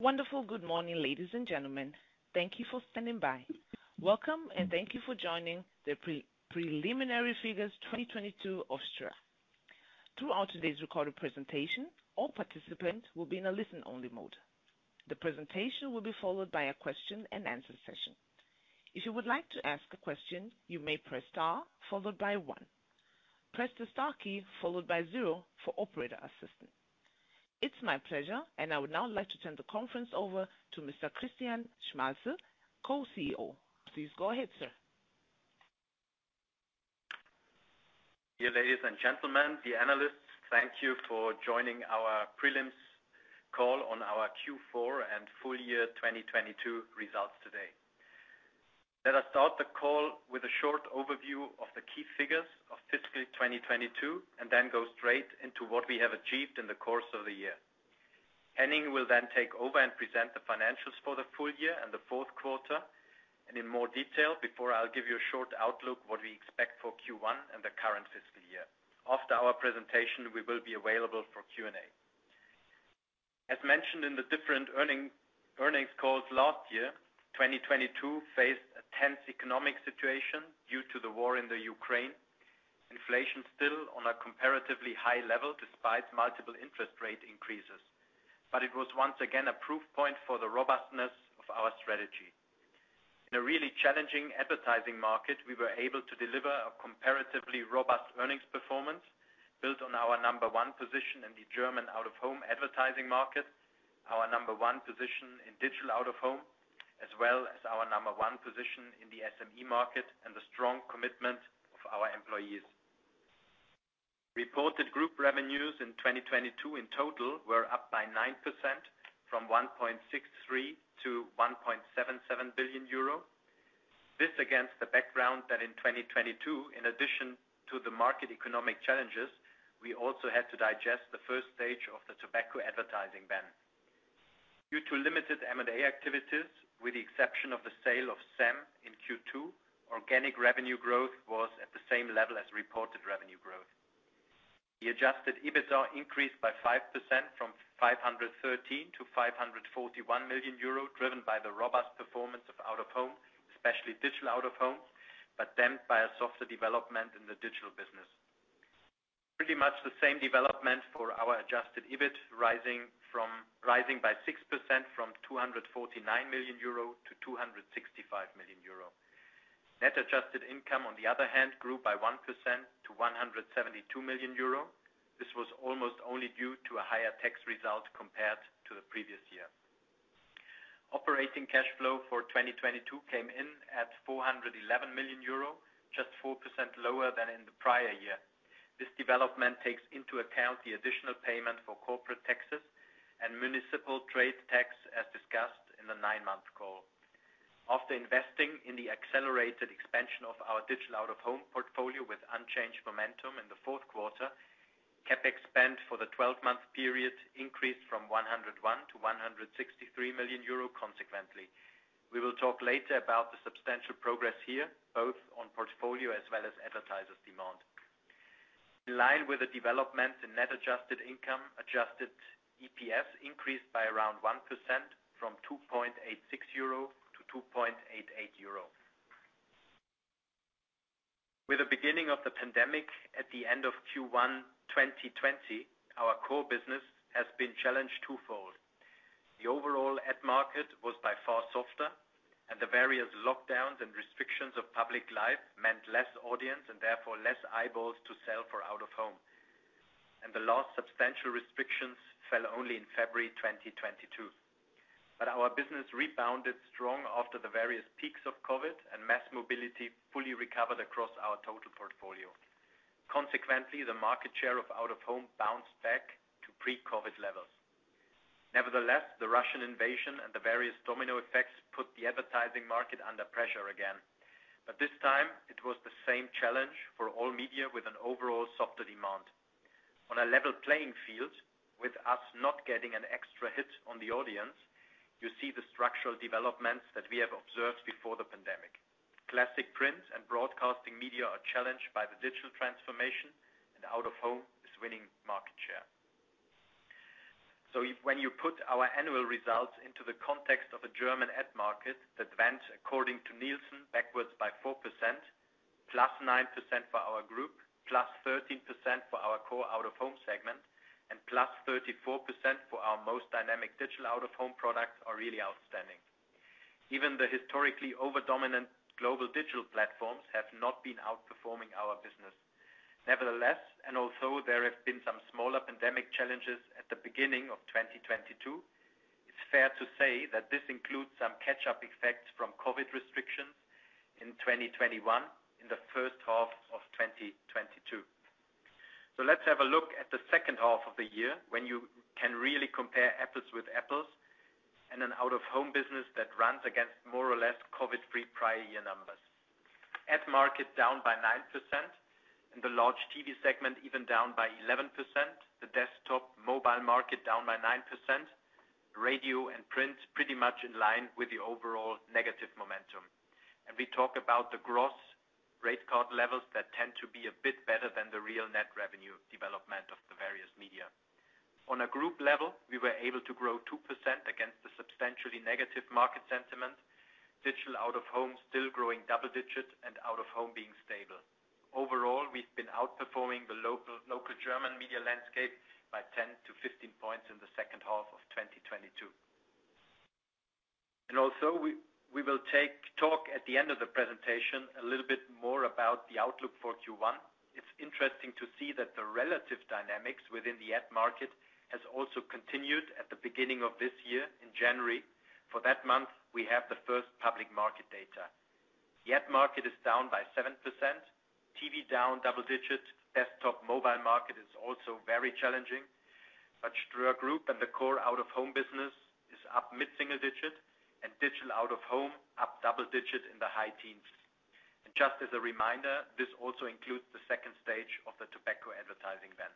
Wonderful good morning, ladies and gentlemen. Thank you for standing by. Welcome, and thank you for joining the pre-preliminary figures 2022 of Ströer. Throughout today's recorded presentation, all participants will be in a listen-only mode. The presentation will be followed by a question-and-answer session. If you would like to ask a question, you may press star followed by one. Press the star key followed by zero for operator assistance. It's my pleasure, and I would now like to turn the conference over to Mr. Christian Schmalzl, Co-CEO. Please go ahead, sir. Dear ladies and gentlemen, dear analysts, thank you for joining our prelims call on our Q4 and full year 2022 results today. Let us start the call with a short overview of the key figures of fiscal 2022 and then go straight into what we have achieved in the course of the year. Henning will then take over and present the financials for the full year and the Q4, and in more detail, before I'll give you a short outlook what we expect for Q1 and the current fiscal year. After our presentation, we will be available for Q&A. As mentioned in the different earnings calls last year, 2022 faced a tense economic situation due to the war in the Ukraine. Inflation still on a comparatively high level despite multiple interest rate increases. It was once again a proof point for the robustness of our strategy. In a really challenging advertising market, we were able to deliver a comparatively robust earnings performance built on our number one position in the German out-of-home advertising market, our number one position in digital out-of-home, as well as our number one position in the SME market and the strong commitment of our employees. Reported group revenues in 2022 in total were up by 9% from 1.63 to 1.77 billion. This against the background that in 2022, in addition to the market economic challenges, we also had to digest the first stage of the tobacco advertising ban. Due to limited M&A activities, with the exception of the sale of SEM in Q2, organic revenue growth was at the same level as reported revenue growth. The adjusted EBITDA increased by 5% from 513 to 541 million, driven by the robust performance of out-of-home, especially digital out-of-home, but damped by a softer development in the digital business. Pretty much the same development for our adjusted EBIT, rising by 6% from 249 to 265 million. Net adjusted income, on the other hand, grew by 1% to 172 million euro. This was almost only due to a higher tax result compared to the previous year. Operating cash flow for 2022 came in at 411 million euro, just 4% lower than in the prior year. This development takes into account the additional payment for corporate taxes and municipal trade tax, as discussed in the nine-month call. After investing in the accelerated expansion of our digital out-of-home portfolio with unchanged momentum in the Q4, CapEx spend for the 12-month period increased from 101 to 163 million consequently. We will talk later about the substantial progress here, both on portfolio as well as advertisers' demand. In line with the development in net adjusted income, adjusted EPS increased by around 1% from 2.86 euro to 2.88. With the beginning of the pandemic at the end of Q1 2020, our core business has been challenged twofold. The overall ad market was by far softer, the various lockdowns and restrictions of public life meant less audience and therefore less eyeballs to sell for out-of-home. The last substantial restrictions fell only in February 2022. Our business rebounded strong after the various peaks of COVID, and mass mobility fully recovered across our total portfolio. Consequently, the market share of out-of-home bounced back to pre-COVID levels. Nevertheless, the Russian invasion and the various domino effects put the advertising market under pressure again. This time it was the same challenge for all media with an overall softer demand. On a level playing field, with us not getting an extra hit on the audience, you see the structural developments that we have observed before the pandemic. Classic print and broadcasting media are challenged by the digital transformation, and out-of-home is winning market share. When you put our annual results into the context of a German ad market that went according to Nielsen backwards by 4%, plus 9% for our group, plus 13% for our core out-of-home segment, and plus 34% for our most dynamic digital out-of-home products are really outstanding. Even the historically over-dominant global digital platforms have not been outperforming our business. Nevertheless, and although there have been some smaller pandemic challenges at the beginning of 2022, it's fair to say that this includes some catch-up effects from COVID restrictions in 2021 in the H1 of 2022. Let's have a look at the H2 of the year when you can really compare apples with apples in an out-of-home business that runs against more or less COVID-free prior year numbers. Ad market down by 9%, the large TV segment even down by 11%. The desktop mobile market down by 9%. Radio and print pretty much in line with the overall negative momentum. We talk about the gross rate card levels that tend to be a bit better than the real net revenue development of the various media. On a group level, we were able to grow 2% against the substantially negative market sentiment. Digital out-of-home still growing double digits and out-of-home being stable. Overall, we've been outperforming the local German media landscape by 10 to 15 points in the H2 of 2022. Also, we will talk at the end of the presentation a little bit more about the outlook for Q1. It's interesting to see that the relative dynamics within the ad market has also continued at the beginning of this year, in January. For that month, we have the first public market data. The ad market is down by 7%, TV down double digits. Desktop mobile market is also very challenging. Ströer Group and the core out-of-home business is up mid-single digits and digital out-of-home up double digits in the high teens. Just as a reminder, this also includes the second stage of the tobacco advertising ban.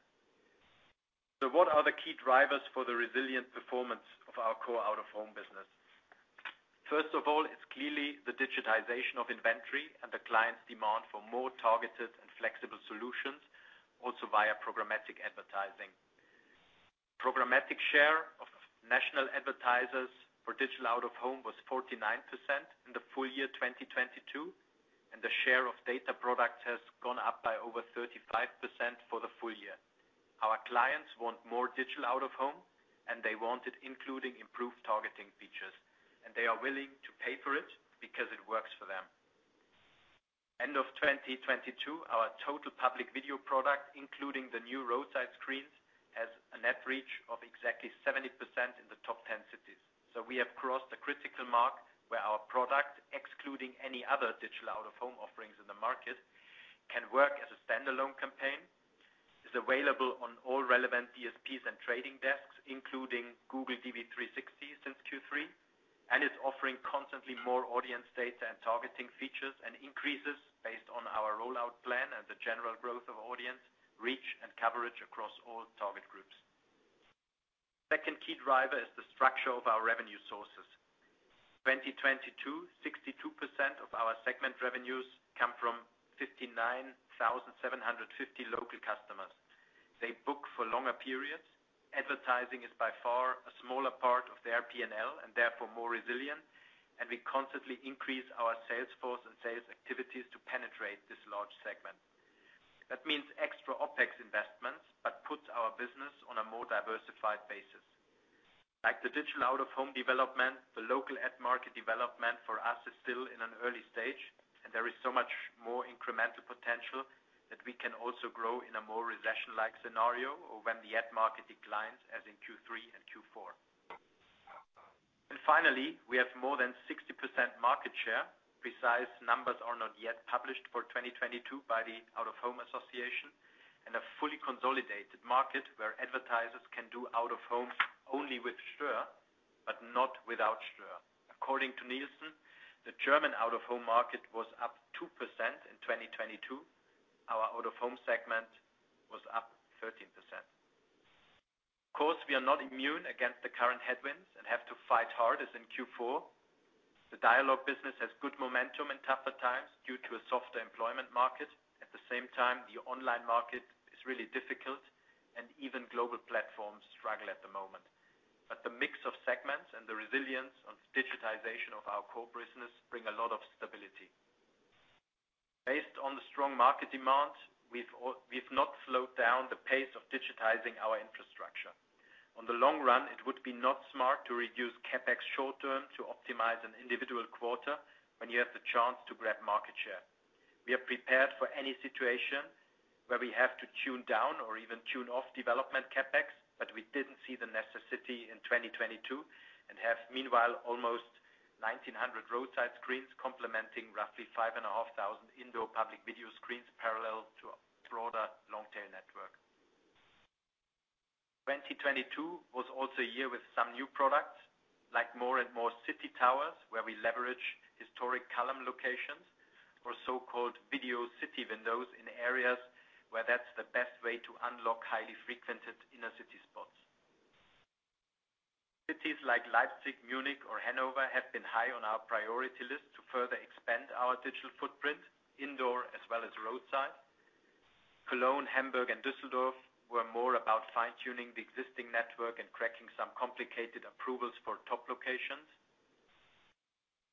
What are the key drivers for the resilient performance of our core out-of-home business? First of all, it's clearly the digitization of inventory and the client's demand for more targeted and flexible solutions, also via programmatic advertising. Programmatic share of national advertisers for digital out-of-home was 49% in the full year 2022, and the share of data products has gone up by over 35% for the full year. Our clients want more digital out-of-home, and they want it including improved targeting features, and they are willing to pay for it because it works for them. End of 2022, our total Public Video product, including the new roadside screens, has a net reach of exactly 70% in the top 10 cities. We have crossed the critical mark where our product, excluding any other digital out-of-home offerings in the market, can work as a standalone campaign. It's available on all relevant DSPs and trading desks, including Google DV360 since Q3. It's offering constantly more audience data and targeting features and increases based on our rollout plan and the general growth of audience reach and coverage across all target groups. Second key driver is the structure of our revenue sources. 2022, 62% of our segment revenues come from 59,750 local customers. They book for longer periods. Advertising is by far a smaller part of their P&L and therefore more resilient. We constantly increase our sales force and sales activities to penetrate this large segment. That means extra OpEx investments but puts our business on a more diversified basis. Like the digital out-of-home development, the local ad market development for us is still in an early stage, and there is so much more incremental potential that we can also grow in a more recession-like scenario or when the ad market declines as in Q3 and Q4. Finally, we have more than 60% market share. Precise numbers are not yet published for 2022 by the Out-of-Home Association in a fully consolidated market where advertisers can do out-of-home only with Ströer, but not without Ströer. According to Nielsen, the German out-of-home market was up 2% in 2022. Our out-of-home segment was up 13%. Of course, we are not immune against the current headwinds and have to fight hard as in Q4. The dialogue business has good momentum in tougher times due to a softer employment market. At the same time, the online market is really difficult, and even global platforms struggle at the moment. The mix of segments and the resilience of digitization of our core business bring a lot of stability. Based on the strong market demand, we've not slowed down the pace of digitizing our infrastructure. On the long run, it would be not smart to reduce CapEx short term to optimize an individual quarter when you have the chance to grab market share. We are prepared for any situation where we have to tune down or even tune off development CapEx, but we didn't see the necessity in 2022 and have meanwhile almost 1,900 roadside screens complementing roughly 5,500 indoor Public Video screens parallel to a broader long-tail network. 2022 was also a year with some new products, like more and more city towers, where we leverage historic column locations or so-called video city windows in areas where that's the best way to unlock highly frequented inner-city spots. Cities like Leipzig, Munich or Hanover have been high on our priority list to further expand our digital footprint, indoor as well as roadside. Cologne, Hamburg and Dusseldorf were more about fine-tuning the existing network and cracking some complicated approvals for top locations.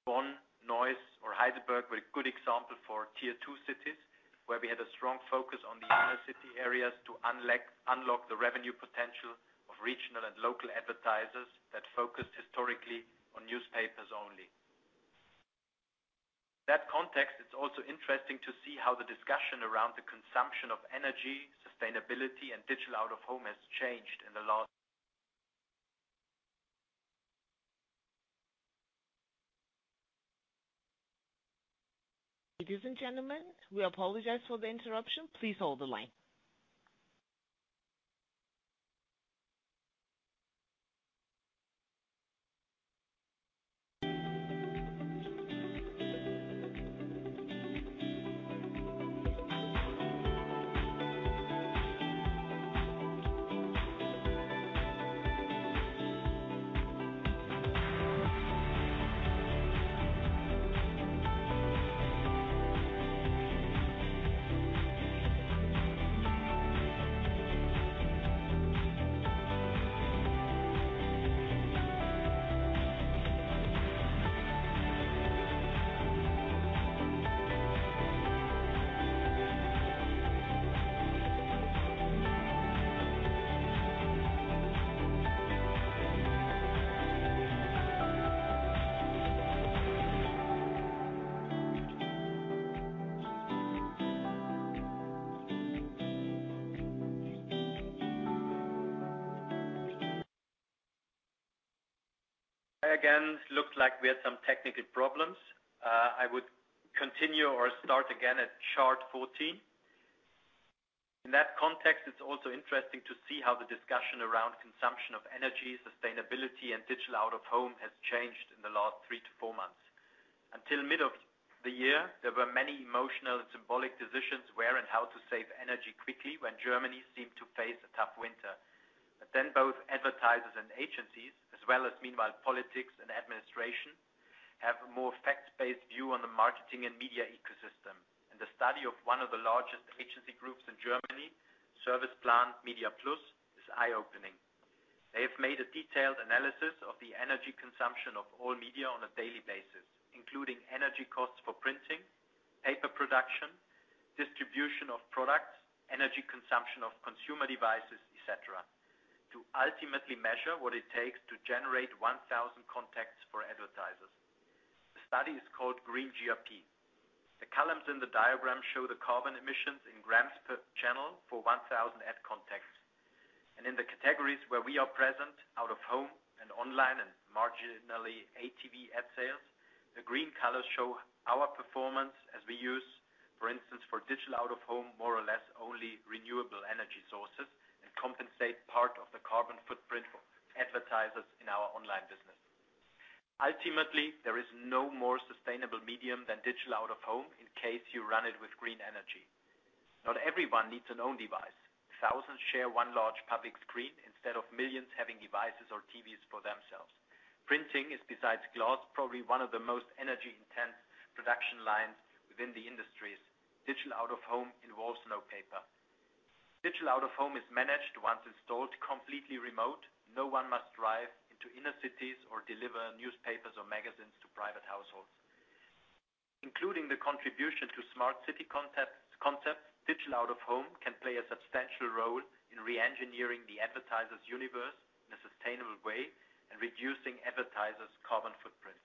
Bonn, Neuss or Heidelberg were a good example for tier 2 cities, where we had a strong focus on the inner-city areas to unlock the revenue potential of regional and local advertisers that focused historically on newspapers only. That context, it's also interesting to see how the discussion around the consumption of energy, sustainability, and digital out-of-home has changed in the last. Ladies and gentlemen, we apologize for the interruption. Please hold the line. Again, looked like we had some technical problems. I would continue or start again at chart 14. In that context, it's also interesting to see how the discussion around consumption of energy, sustainability, and digital out-of-home has changed in the last three to four months. Until mid of the year, there were many emotional and symbolic decisions where and how to save energy quickly when Germany seemed to face a tough winter. Both advertisers and agencies, as well as meanwhile politics and administration, have a more fact-based view on the marketing and media ecosystem. The study of one of the largest agency groups in Germany, Serviceplan Mediaplus, is eye-opening. They have made a detailed analysis of the energy consumption of all media on a daily basis, including energy costs for printing, paper production, distribution of products, et cetera, to ultimately measure what it takes to generate 1,000 contacts for advertisers. The study is called Green GRP. The columns in the diagram show the carbon emissions in grams per channel for 1,000 ad contacts. In the categories where we are present, out-of-home and online and marginally ATV ad sales, the green colors show our performance as we use, for instance, for digital out-of-home, more or less only renewable energy sources and compensate part of the carbon footprint for advertisers in our online business. Ultimately, there is no more sustainable medium than digital out-of-home in case you run it with green energy. Not everyone needs an own device. Thousands share one large public screen instead of millions having devices or TVs for themselves. Printing is, besides glass, probably one of the most energy-intense production lines within the industries. Digital out-of-home involves no paper. Digital out-of-home is managed, once installed, completely remote. No one must drive into inner cities or deliver newspapers or magazines to private households. Including the contribution to smart city concepts, digital out-of-home can play a substantial role in re-engineering the advertiser's universe in a sustainable way and reducing advertiser's carbon footprint.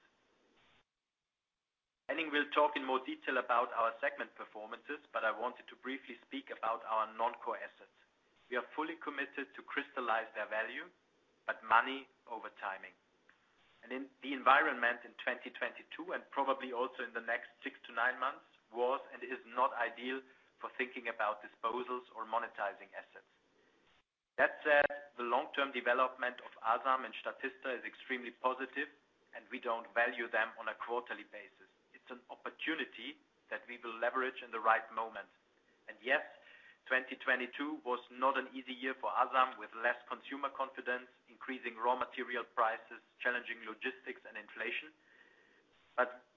Henning will talk in more detail about our segment performances, but I wanted to briefly speak about our non-core assets. In the environment in 2022, and probably also in the next six to nine months, was and is not ideal for thinking about disposals or monetizing assets. That said, the long-term development of Asam and Statista is extremely positive. We don't value them on a quarterly basis. It's an opportunity that we will leverage in the right moment. Yes, 2022 was not an easy year for Asam, with less consumer confidence, increasing raw material prices, challenging logistics and inflation.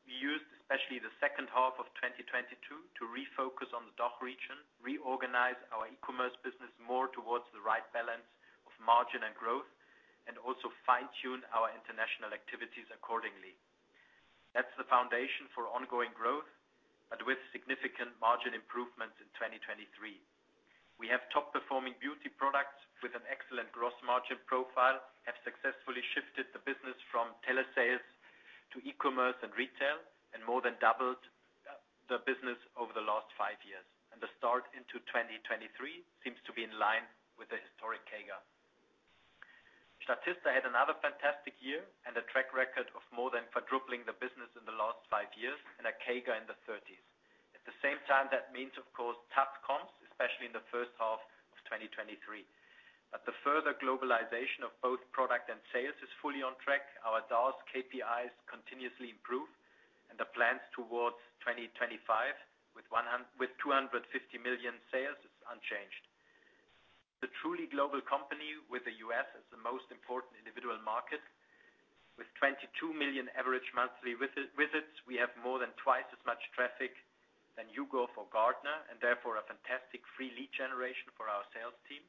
We used, especially the H2 of 2022 to refocus on the DACH region, reorganize our e-commerce business more towards the right balance of margin and growth, and also fine-tune our international activities accordingly. That's the foundation for ongoing growth, with significant margin improvements in 2023. We have top-performing beauty products with an excellent gross margin profile, have successfully shifted the business from telesales to e-commerce and retail, and more than doubled the business over the last five years. The start into 2023 seems to be in line with the historic CAGR. Statista had another fantastic year and a track record of more than quadrupling the business in the last five years and a CAGR in the 30s. At the same time, that means, of course, tough comps, especially in the H1 of 2023. The further globalization of both product and sales is fully on track. Our DAOS KPIs continuously improve, and the plans towards 2025 with 250 million sales is unchanged. The truly global company, with the U.S. as the most important individual market, with 22 million average monthly visits, we have more than twice as much traffic than YouGov or Gartner, and therefore a fantastic free lead generation for our sales team.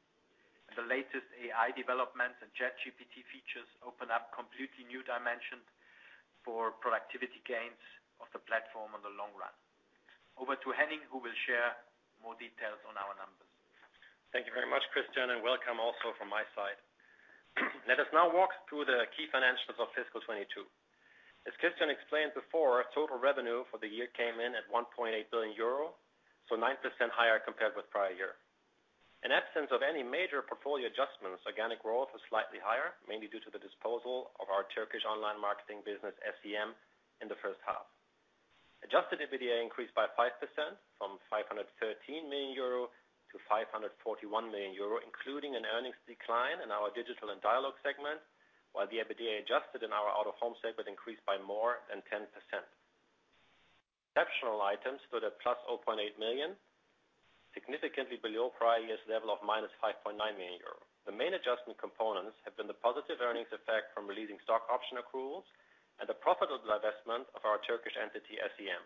The latest AI developments and ChatGPT features open up completely new dimensions for productivity gains of the platform on the long run. Over to Henning, who will share more details on our numbers. Thank you very much, Christian. Welcome also from my side. Let us now walk through the key financials of fiscal 2022. As Christian explained before, total revenue for the year came in at 1.8 billion euro, 9% higher compared with prior year. In absence of any major portfolio adjustments, organic growth was slightly higher, mainly due to the disposal of our Turkish online marketing business, SEM, in the H1. Adjusted EBITDA increased by 5% from 513 to 541 million, including an earnings decline in our digital and dialogue segment, while the EBITDA adjusted in our out-of-home segment increased by more than 10%. Exceptional items stood at +0.8 million, significantly below prior year's level of -5.9 million euro. The main adjustment components have been the positive earnings effect from releasing stock option accruals and the profitable divestment of our Turkish entity, SEM.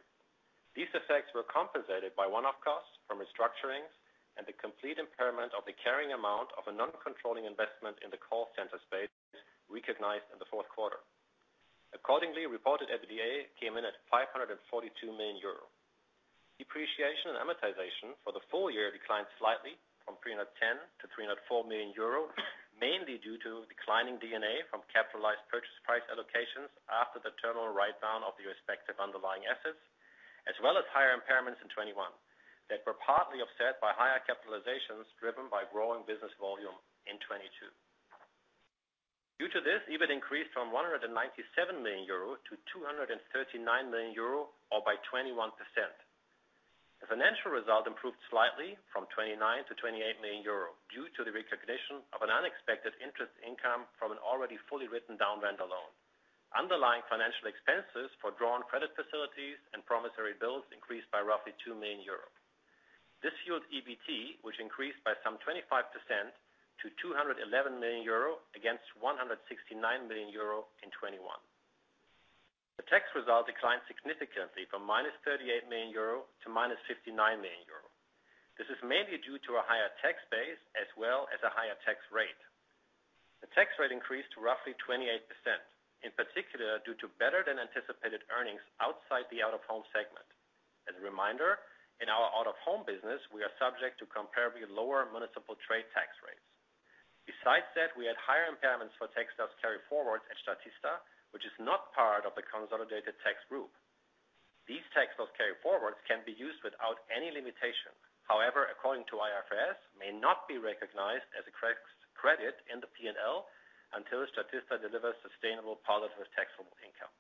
These effects were compensated by one-off costs from restructurings and the complete impairment of the carrying amount of a non-controlling investment in the call center space recognized in the Q4. Accordingly, reported EBITDA came in at 542 million euro. Depreciation and amortization for the full year declined slightly from 310 to 304 million euro, mainly due to declining D&A from capitalized purchase price allocations after the terminal write-down of the respective underlying assets, as well as higher impairments in 2021 that were partly offset by higher capitalizations driven by growing business volume in 2022. Due to this, EBIT increased from 197 million euro to 239 million euro, or by 21%. The financial result improved slightly from 29 to 28 million euro due to the recognition of an unexpected interest income from an already fully written down vendor loan. Underlying financial expenses for drawn credit facilities and promissory bills increased by roughly 2 million euros. This fueled EBT, which increased by some 25% to 211 million euro against 169 million euro in 2021. The tax result declined significantly from minus 38 to 59 million. This is mainly due to a higher tax base as well as a higher tax rate. The tax rate increased to roughly 28%, in particular, due to better than anticipated earnings outside the out-of-home segment. As a reminder, in our out-of-home business, we are subject to comparably lower municipal trade tax rates. We had higher impairments for tax loss carry-forwards at Statista, which is not part of the consolidated tax group. These tax loss carry-forwards can be used without any limitation. According to IFRS, may not be recognized as a credit in the P&L until Statista delivers sustainable positive taxable income.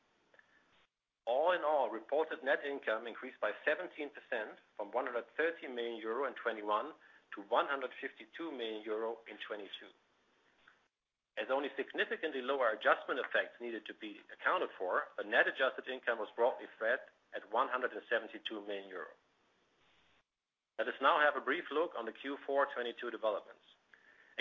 Reported net income increased by 17% from 113 million euro in 2021 to 152 million euro in 2022. Only significantly lower adjustment effects needed to be accounted for, a net adjusted income was broadly flat at 172 million euros. Have a brief look on the Q4 2022 developments.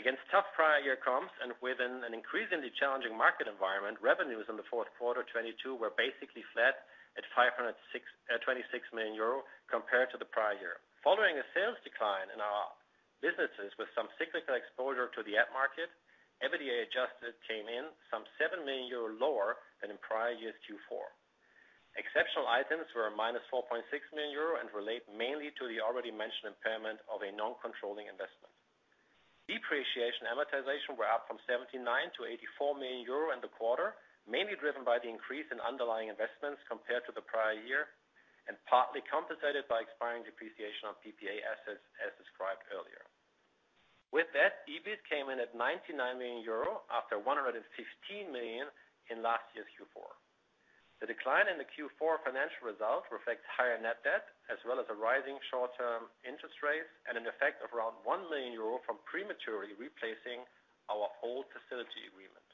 Against tough prior-year comps and within an increasingly challenging market environment, revenues in the Q4 of 2022 were basically flat at 526 million euro compared to the prior year. Following a sales decline in our businesses with some cyclical exposure to the ad market, EBITDA adjusted came in some 7 million euro lower than in prior year's Q4. Exceptional items were -4.6 million euro and relate mainly to the already mentioned impairment of a non-controlling investment. Depreciation and Amortization were up from 79 to 84 million in the quarter, mainly driven by the increase in underlying investments compared to the prior year, and partly compensated by expiring depreciation of PPA assets as described earlier. EBIT came in at 99 million euro after 115 million in last year's Q4. The decline in the Q4 financial result reflects higher net debt as well as a rising short-term interest rate and an effect of around 1 million euro from prematurely replacing our old facility agreement.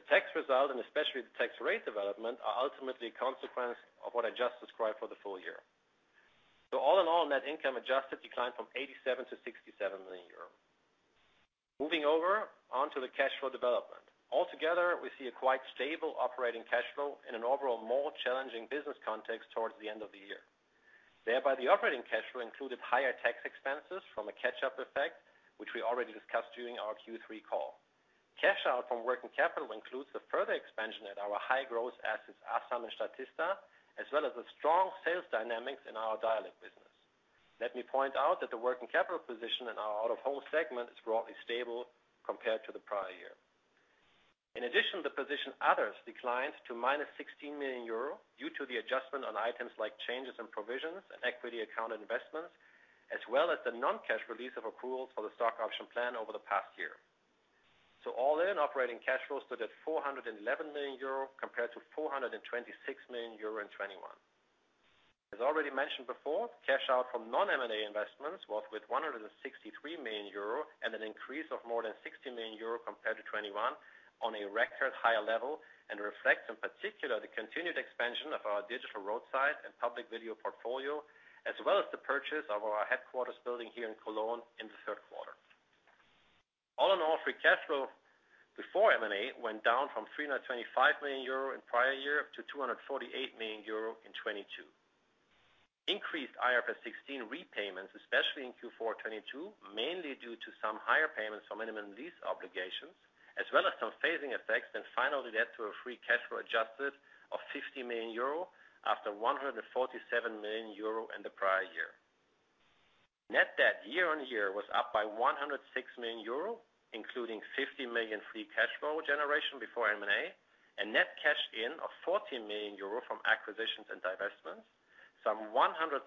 The tax result, especially the tax rate development, are ultimately a consequence of what I just described for the full year. All in all, net income adjusted declined from 87 to 67 million. Moving over onto the cash flow development. Altogether, we see a quite stable operating cash flow in an overall more challenging business context towards the end of the year. Thereby, the operating cash flow included higher tax expenses from a catch-up effect, which we already discussed during our Q3 call. Cash out from working capital includes the further expansion at our high-growth assets, Asam and Statista, as well as the strong sales dynamics in our Dialego business. Let me point out that the working capital position in our out-of-home segment is broadly stable compared to the prior year. The position others declined to minus 16 million euro due to the adjustment on items like changes in provisions and equity account investments, as well as the non-cash release of accruals for the stock option plan over the past year. All in, operating cash flow stood at 411 million euro compared to 426 million euro in 2021. As already mentioned before, cash out from non-M&A investments was with 163 million euro and an increase of more than 60 million euro compared to 2021 on a record high level, and reflects, in particular, the continued expansion of our digital roadside and Public Video portfolio, as well as the purchase of our headquarters building here in Cologne in the Q3. All in all, free cash flow before M&A went down from 325 million euro in prior year to 248 million euro in 2022. Increased IFRS 16 repayments, especially in Q4 2022, mainly due to some higher payments for minimum lease obligations, as well as some phasing effects, finally led to a free cash flow adjusted of 50 million euro after 147 million euro in the prior year. Net debt year-on-year was up by 106 million euro, including 50 million free cash flow generation before M&A and net cash in of 14 million euro from acquisitions and divestments, some 137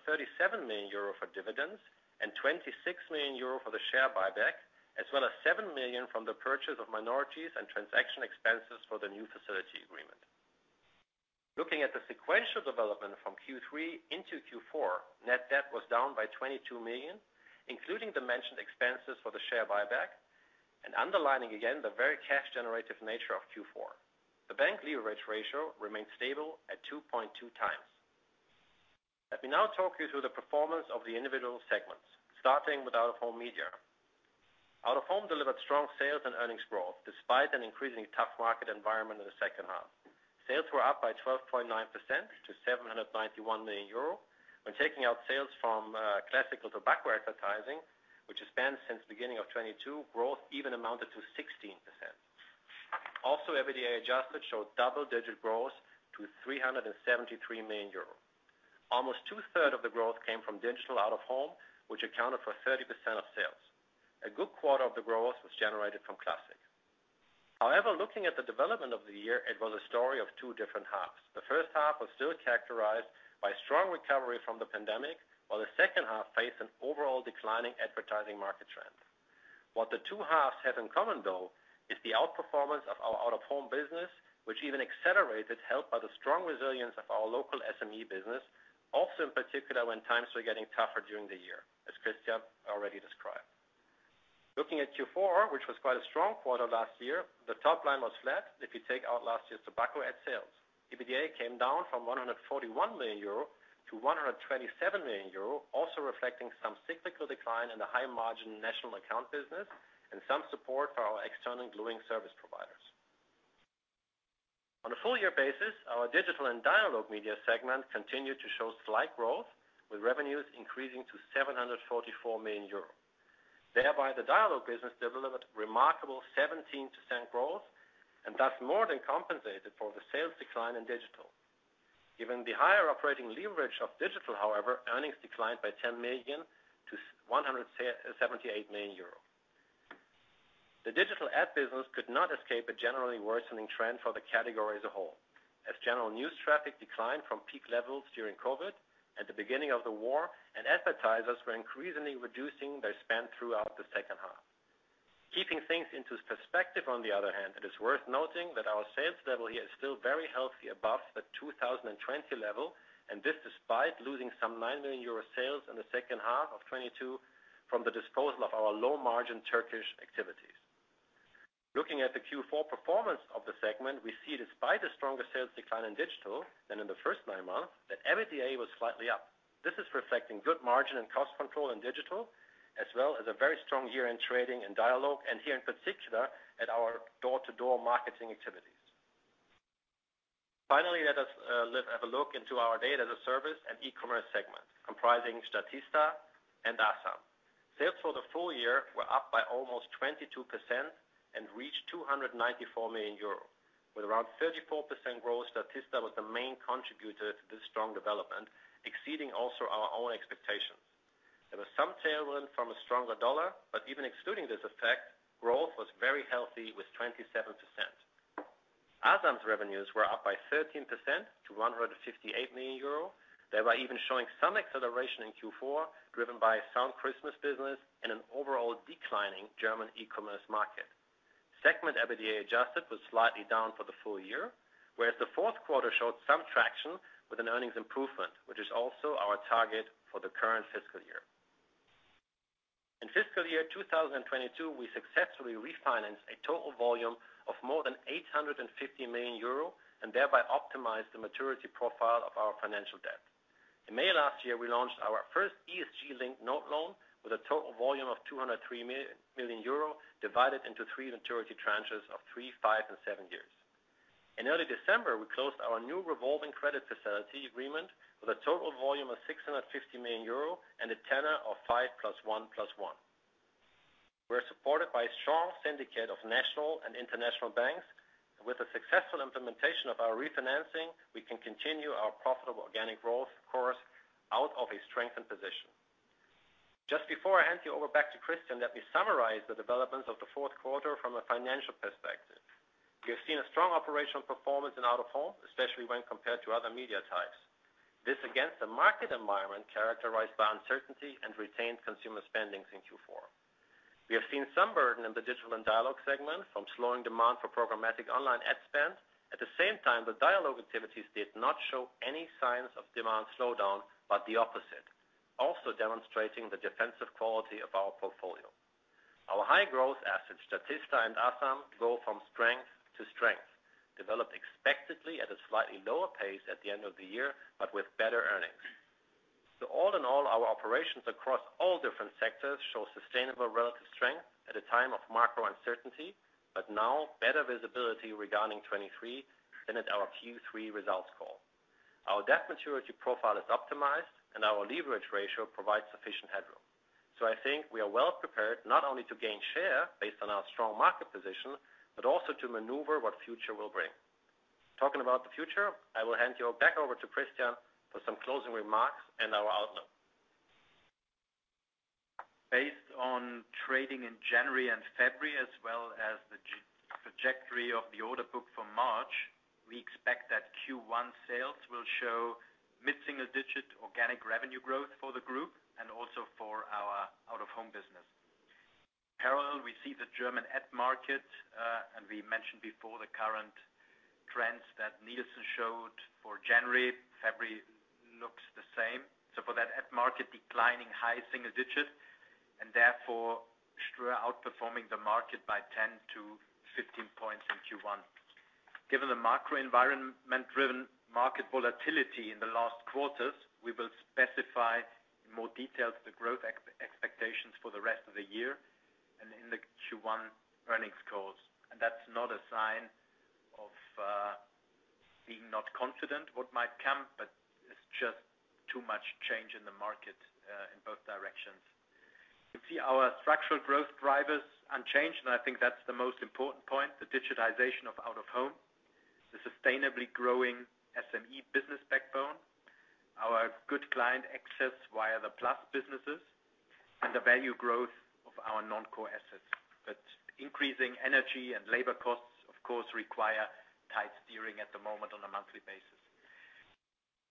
million euro for dividends and 26 million euro for the share buyback, as well as 7 million from the purchase of minorities and transaction expenses for the new facility agreement. Looking at the sequential development from Q3 into Q4, net debt was down by 22 million, including the mentioned expenses for the share buyback. Underlining again, the very cash generative nature of Q4. The bank leverage ratio remains stable at 2.2 times. Let me now talk you through the performance of the individual segments, starting with Out of Home media. Out of Home delivered strong sales and earnings growth, despite an increasingly tough market environment in the H2. Sales were up by 12.9% to 791 million euro. When taking out sales from classical tobacco advertising, which has been since beginning of 2022, growth even amounted to 16%. Also, EBITDA adjusted showed double-digit growth to 373 million euros. Almost two-third of the growth came from digital Out of Home, which accounted for 30% of sales. A good quarter of the growth was generated from classic. However, looking at the development of the year, it was a story of two different halves. The H1 was still characterized by strong recovery from the pandemic, while the H2 faced an overall declining advertising market trend. What the two halves have in common, though, is the outperformance of our Out of Home business, which even accelerated help by the strong resilience of our local SME business, also in particular when times were getting tougher during the year, as Christian already described. Looking at Q4, which was quite a strong quarter last year, the top line was flat if you take out last year's tobacco ad sales. EBITDA came down from 141 to 127 million, also reflecting some cyclical decline in the high-margin national account business and some support for our external gluing service providers. On a full year basis, our Digital and Dialog Media segment continued to show slight growth, with revenues increasing to 744 million euros. Thereby, the Dialego business delivered remarkable 17% growth and thus more than compensated for the sales decline in Digital. Given the higher operating leverage of Digital, however, earnings declined by 10 to 178 million. The digital ad business could not escape a generally worsening trend for the category as a whole, as general news traffic declined from peak levels during COVID and the beginning of the war, and advertisers were increasingly reducing their spend throughout the H2. Keeping things into perspective, on the other hand, it is worth noting that our sales level here is still very healthy above the 2020 level, and this despite losing some 9 million euro sales in the H2 of 2022 from the disposal of our low margin Turkish activities. Looking at the Q4 performance of the segment, we see despite the stronger sales decline in Digital than in the first 9 months, that EBITDA was slightly up. This is reflecting good margin and cost control in Digital, as well as a very strong year-end trading in Dialego, and here in particular at our door-to-door marketing activities. Finally, let us, let's have a look into our Data as a Service and E-commerce segment, comprising Statista and Asam. Sales for the full year were up by almost 22% and reached 294 million euro. With around 34% growth, Statista was the main contributor to this strong development, exceeding also our own expectations. There was some tailwind from a stronger dollar, but even excluding this effect, growth was very healthy with 27%. Asam's revenues were up by 13% to 158 million euro. Thereby even showing some acceleration in Q4, driven by a sound Christmas business and an overall declining German e-commerce market. Segment EBITDA adjusted was slightly down for the full year, whereas the Q4 showed some traction with an earnings improvement, which is also our target for the current fiscal year. In fiscal year 2022, we successfully refinanced a total volume of more than 850 million euro and thereby optimized the maturity profile of our financial debt. In May last year, we launched our first ESG-linked note loan with a total volume of 203 million euro, divided into 3 maturity tranches of 3, 5, and 7 years. In early December, we closed our new revolving credit facility agreement with a total volume of 650 million euro and a tenor of 5 plus 1 plus 1. We're supported by a strong syndicate of national and international banks. With the successful implementation of our refinancing, we can continue our profitable organic growth course out of a strengthened position. Just before I hand you over back to Christian, let me summarize the developments of the Q4 from a financial perspective. We have seen a strong operational performance in Out of Home, especially when compared to other media types. This against a market environment characterized by uncertainty and retained consumer spendings in Q4. We have seen some burden in the Digital and Dialog segment from slowing demand for programmatic online ad spend. At the same time, the Dialog activities did not show any signs of demand slowdown, but the opposite, also demonstrating the defensive quality of our portfolio. Our high growth assets, Statista and Asam, go from strength to strength, developed expectedly at a slightly lower pace at the end of the year, but with better earnings. All in all, our operations across all different sectors show sustainable relative strength at a time of macro uncertainty, but now better visibility regarding 2023 than at our Q3 results call. Our debt maturity profile is optimized, and our leverage ratio provides sufficient headroom. I think we are well prepared not only to gain share based on our strong market position, but also to maneuver what future will bring. Talking about the future, I will hand you back over to Christian for some closing remarks and our outlook. Based on trading in January and February, as well as the trajectory of the order book for March, we expect that Q1 sales will show mid-single digit organic revenue growth for the group and also for our Out of Home business. Parallel, we see the German ad market, and we mentioned before the current trends that Nielsen showed for January. February looks the same. Declining high single digits. Therefore, we're outperforming the market by 10 to 15 points in Q1. Given the macro environment-driven market volatility in the last quarters, we will specify in more details the growth expectations for the rest of the year and in the Q1 earnings course. That's not a sign of being not confident what might come, but it's just too much change in the market in both directions. You see our structural growth drivers unchanged, I think that's the most important point, the digitization of out-of-home, the sustainably growing SME business backbone, our good client access via the plus businesses, and the value growth of our non-core assets. Increasing energy and labor costs, of course, require tight steering at the moment on a monthly basis.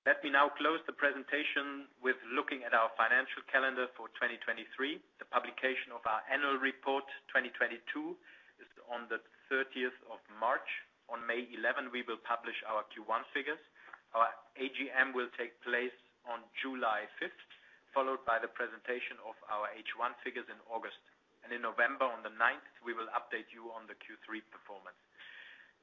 Let me now close the presentation with looking at our financial calendar for 2023. The publication of our annual report, 2022, is on the 30th of March. On May 11, we will publish our Q1 figures. Our AGM will take place on July 5, followed by the presentation of our H1 figures in August. In November, on the 9th, we will update you on the Q3 performance.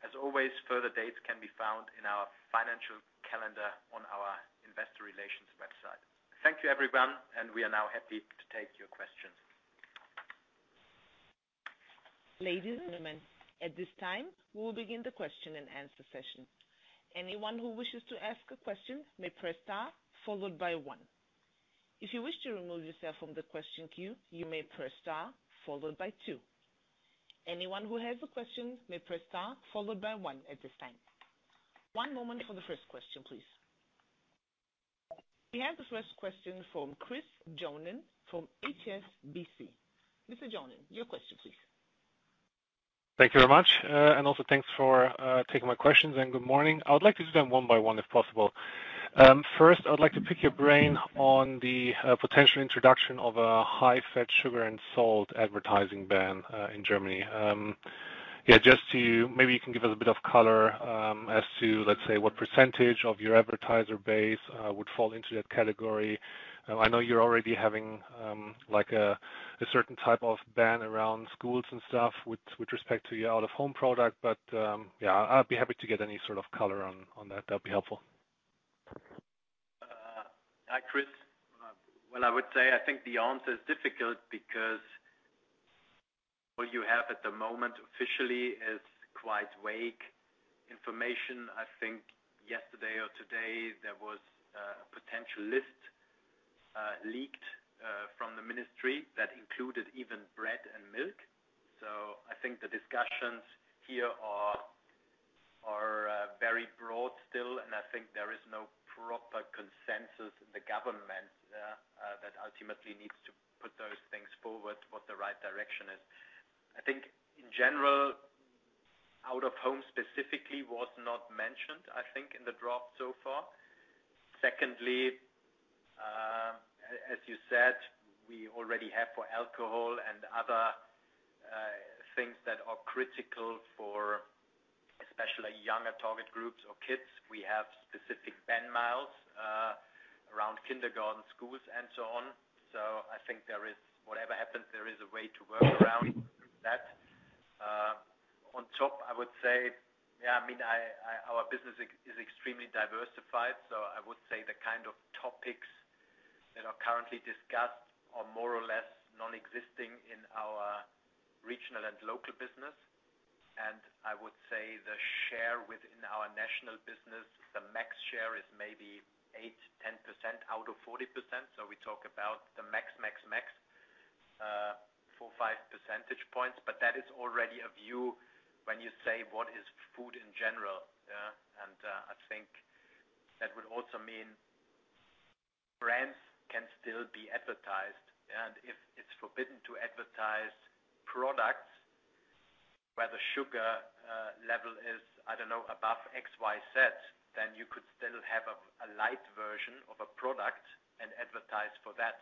As always, further dates can be found in our financial calendar on our investor relations website. Thank you, everyone, and we are now happy to take your questions. Ladies and gentlemen, at this time, we will begin the question-and-answer session. Anyone who wishes to ask a question may press star followed by 1. If you wish to remove yourself from the question queue, you may press star followed by 2. Anyone who has a question may press star followed by 1 at this time. One moment for the first question, please. We have the first question from Christopher Johnen from HSBC. Mr. Johnen, your question, please. Thank you very much. Also, thanks for taking my questions and good morning. I would like to do them one by one, if possible. First, I would like to pick your brain on the potential introduction of a high fat, sugar, and salt advertising ban in Germany. Maybe you can give us a bit of color as to what % of your advertiser base would fall into that category. I know you're already having a certain type of ban around schools and stuff with respect to your out-of-home product. I'd be happy to get any sort of color on that. That'd be helpful. Hi, Chris. Well, I would say I think the answer is difficult because what you have at the moment officially is quite vague information. I think yesterday or today, there was a potential list leaked from the ministry that included even bread and milk. I think the discussions here are very broad still, I think there is no proper consensus in the government that ultimately needs to put those things forward what the right direction is. I think in general, out-of-home specifically was not mentioned, I think, in the draft so far. Secondly, as you said, we already have for alcohol and other things that are critical for especially younger target groups or kids. We have specific ban miles around kindergarten schools and so on. I think there is whatever happens, there is a way to work around that. On top, I would say, yeah, I mean, our business is extremely diversified. I would say the kind of topics that are currently discussed are more or less non-existing in our regional and local business. I would say the share within our national business; the max share is maybe 8 to 10% out of 40%. We talk about the max, max, four, five percentage points. That is already a view when you say what is food in general. I think that would also mean brands can still be advertised. If it's forbidden to advertise products where the sugar level is, I don't know, above XYZ, then you could still have a light version of a product and advertise for that.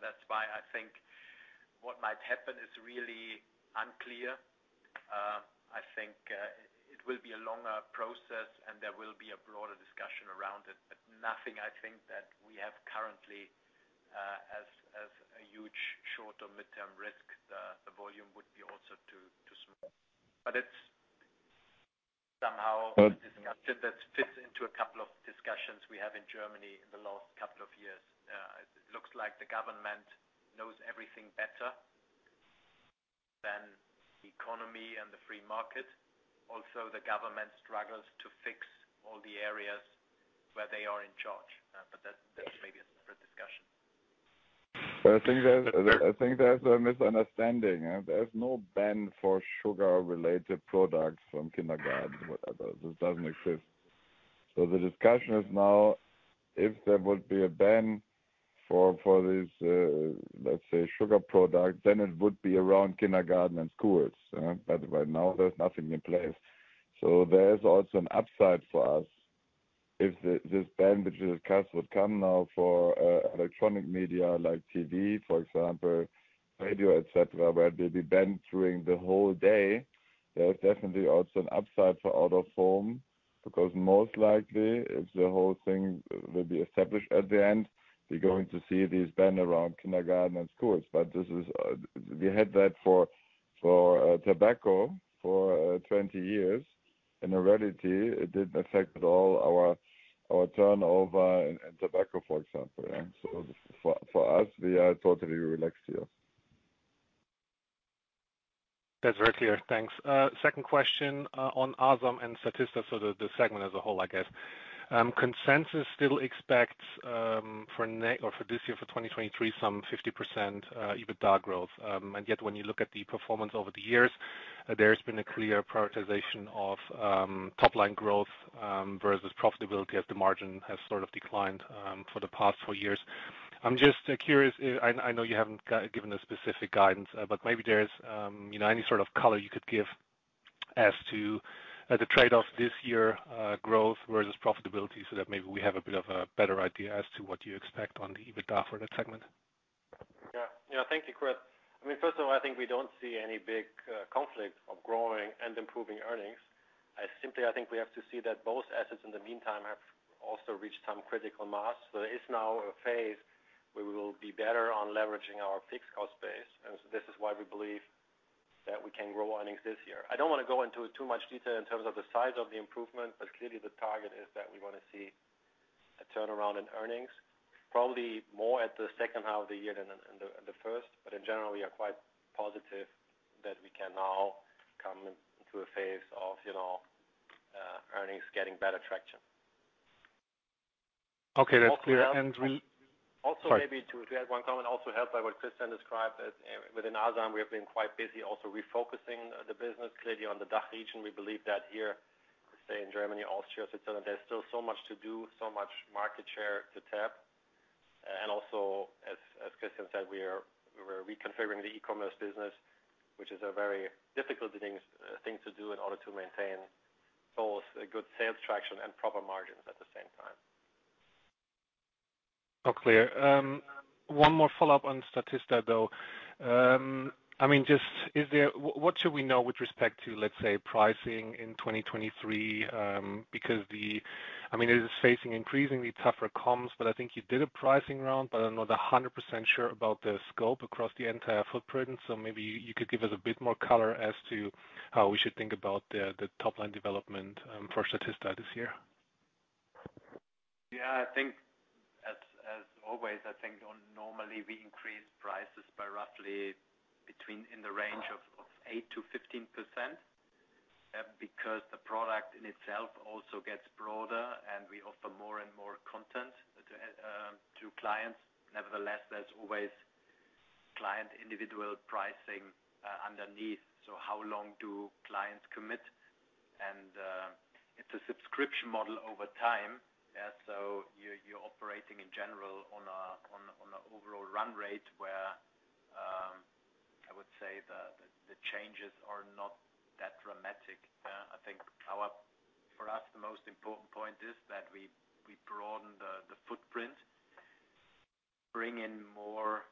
That's why I think what might happen is really unclear. I think it will be a longer process and there will be a broader discussion around it. Nothing, I think, that we have currently as a huge short or midterm risk. The volume would be also too small. It's somehow a discussion that fits into a couple of discussions we have in Germany in the last couple of years. It looks like the government knows everything better than the economy and the free market. The government struggles to fix all the areas where they are in charge. That's maybe a separate discussion. I think there's a misunderstanding. There's no ban for sugar-related products from kindergarten. This doesn't exist. The discussion is now if there would be a ban for this, let's say, sugar product, then it would be around kindergarten and schools. Right now, there's nothing in place. There's also an upside for us. If this ban, which of course would come now for electronic media like TV, for example, radio, et cetera, where they'll be banned during the whole day, there's definitely also an upside for out-of-home. Most likely, if the whole thing will be established at the end, we're going to see these ban around kindergarten and schools. We had that for tobacco for 20 years. In reality, it didn't affect at all our turnover in tobacco, for example. For us, we are totally relaxed here. That's very clear. Thanks. Second question on Asam and Statista, so the segment as a whole, I guess. Consensus still expects for this year, for 2023, some 50% EBITDA growth. Yet when you look at the performance over the years, there's been a clear prioritization of top line growth versus profitability as the margin has sort of declined for the past 4 years. I'm just curious. I know you haven't given a specific guidance, but maybe there's, you know, any sort of color you could give as to the trade-off this year, growth versus profitability, so that maybe we have a bit of a better idea as to what you expect on the EBITDA for that segment. Yeah. Yeah. Thank you, Chris. I mean, first of all, I think we don't see any big conflict of growing and improving earnings. I simply, I think we have to see that both assets in the meantime have also reached some critical mass. There is now a phase where we will be better on leveraging our fixed cost base, and so this is why we believe that we can grow earnings this year. I don't wanna go into too much detail in terms of the size of the improvement, but clearly the target is that we wanna see a turnaround in earnings, probably more at the H2 of the year than in, than the first. In general, we are quite positive that we can now come into a phase of, you know, earnings getting better traction. Okay, that's clear. Also maybe to add one comment, also helped by what Christian described, as within Asam, we have been quite busy also refocusing the business clearly on the DACH region. We believe that here, say, in Germany, Austria, Switzerland, there's still so much to do, so much market share to tap. Also, as Christian said, we're reconfiguring the e-commerce business, which is a very difficult thing to do in order to maintain both a good sales traction and proper margins at the same time. All clear. One more follow-up on Statista, though. I mean, just what should we know with respect to, let's say, pricing in 2023? Because I mean, it is facing increasingly tougher comms, but I think you did a pricing round, but I'm not 100% sure about the scope across the entire footprint. Maybe you could give us a bit more color as to how we should think about the top line development for Statista this year. Yeah, I think as always, I think on normally we increase prices by roughly between, in the range of 8 to 15%, because the product in itself also gets broader and we offer more and more content to clients. Nevertheless, there's always client individual pricing underneath. How long do clients commit? It's a subscription model over time. You're operating in general on an overall run rate where I would say the changes are not that dramatic. I think for us, the most important point is that we broaden the footprint, bring in more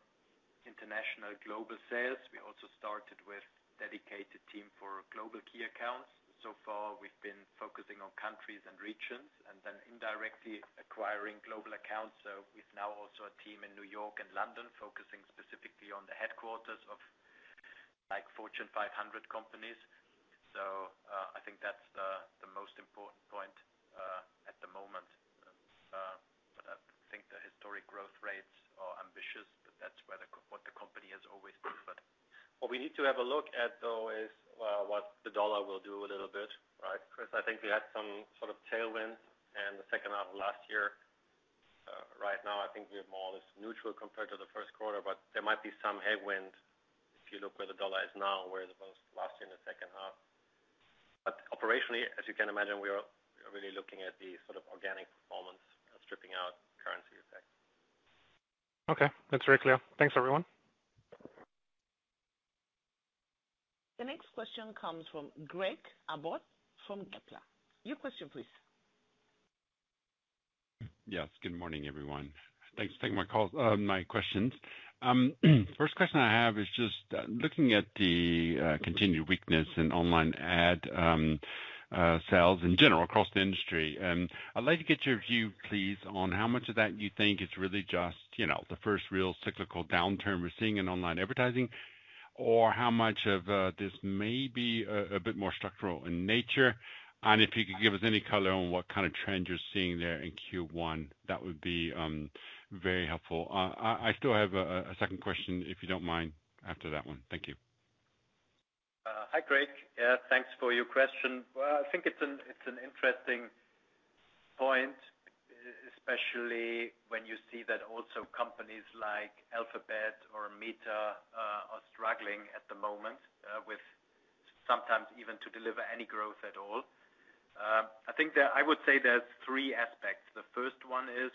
international global sales. We also started with dedicated team for global key accounts. So far, we've been focusing on countries and regions and then indirectly acquiring global accounts. With now also a team in New York and London, focusing specifically on the headquarters of like Fortune 500 companies. I think that's the most important point at the moment. I think the historic growth rates are ambitious, but that's what the company has always preferred. What we need to have a look at, though, is what the dollar will do a little bit, right? 'Cause I think we had some sort of tailwind in the H2 of last year. Right now, I think we have more or less neutral compared to the Q1, but there might be some headwind if you look where the dollar is now, where it was last year in the H2. Operationally, as you can imagine, we are really looking at the sort of organic performance stripping out currency effect. Okay, that's very clear. Thanks, everyone. The next question comes from Greg Abbott from Kepler. Your question, please. Yes, good morning, everyone. Thanks for taking my call, my questions. First question I have is just looking at the continued weakness in online ad sales in general across the industry, I'd like to get your view, please, on how much of that you think is really just, you know, the first real cyclical downturn we're seeing in online advertising, or how much of this may be a bit more structural in nature. If you could give us any color on what kind of trend you're seeing there in Q1, that would be very helpful. I still have a second question, if you don't mind, after that one. Thank you. Hi, Greg. Yeah, thanks for your question. Well, I think it's an interesting point, especially when you see that also companies like Alphabet or Meta are struggling at the moment with sometimes even to deliver any growth at all. I think there's three aspects. The first one is,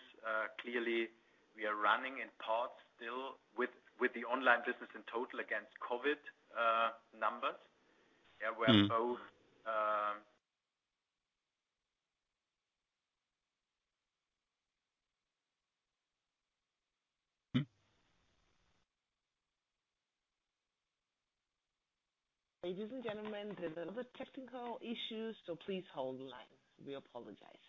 clearly, we are running in parts still with the online business in total against COVID numbers. Where both. Ladies and gentlemen, there's a little bit of technical issues, so please hold the line. We apologize.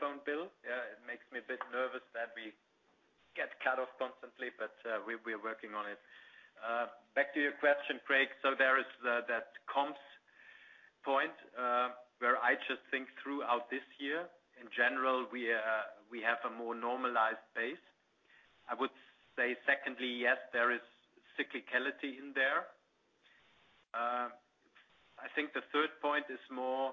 Phone bill. Yeah, it makes me a bit nervous that we get cut off constantly, but we're working on it. Back to your question, Craig. There is the comps point, where I just think throughout this year, in general, we have a more normalized base. I would say secondly, yes, there is cyclicality in there. I think the third point is more,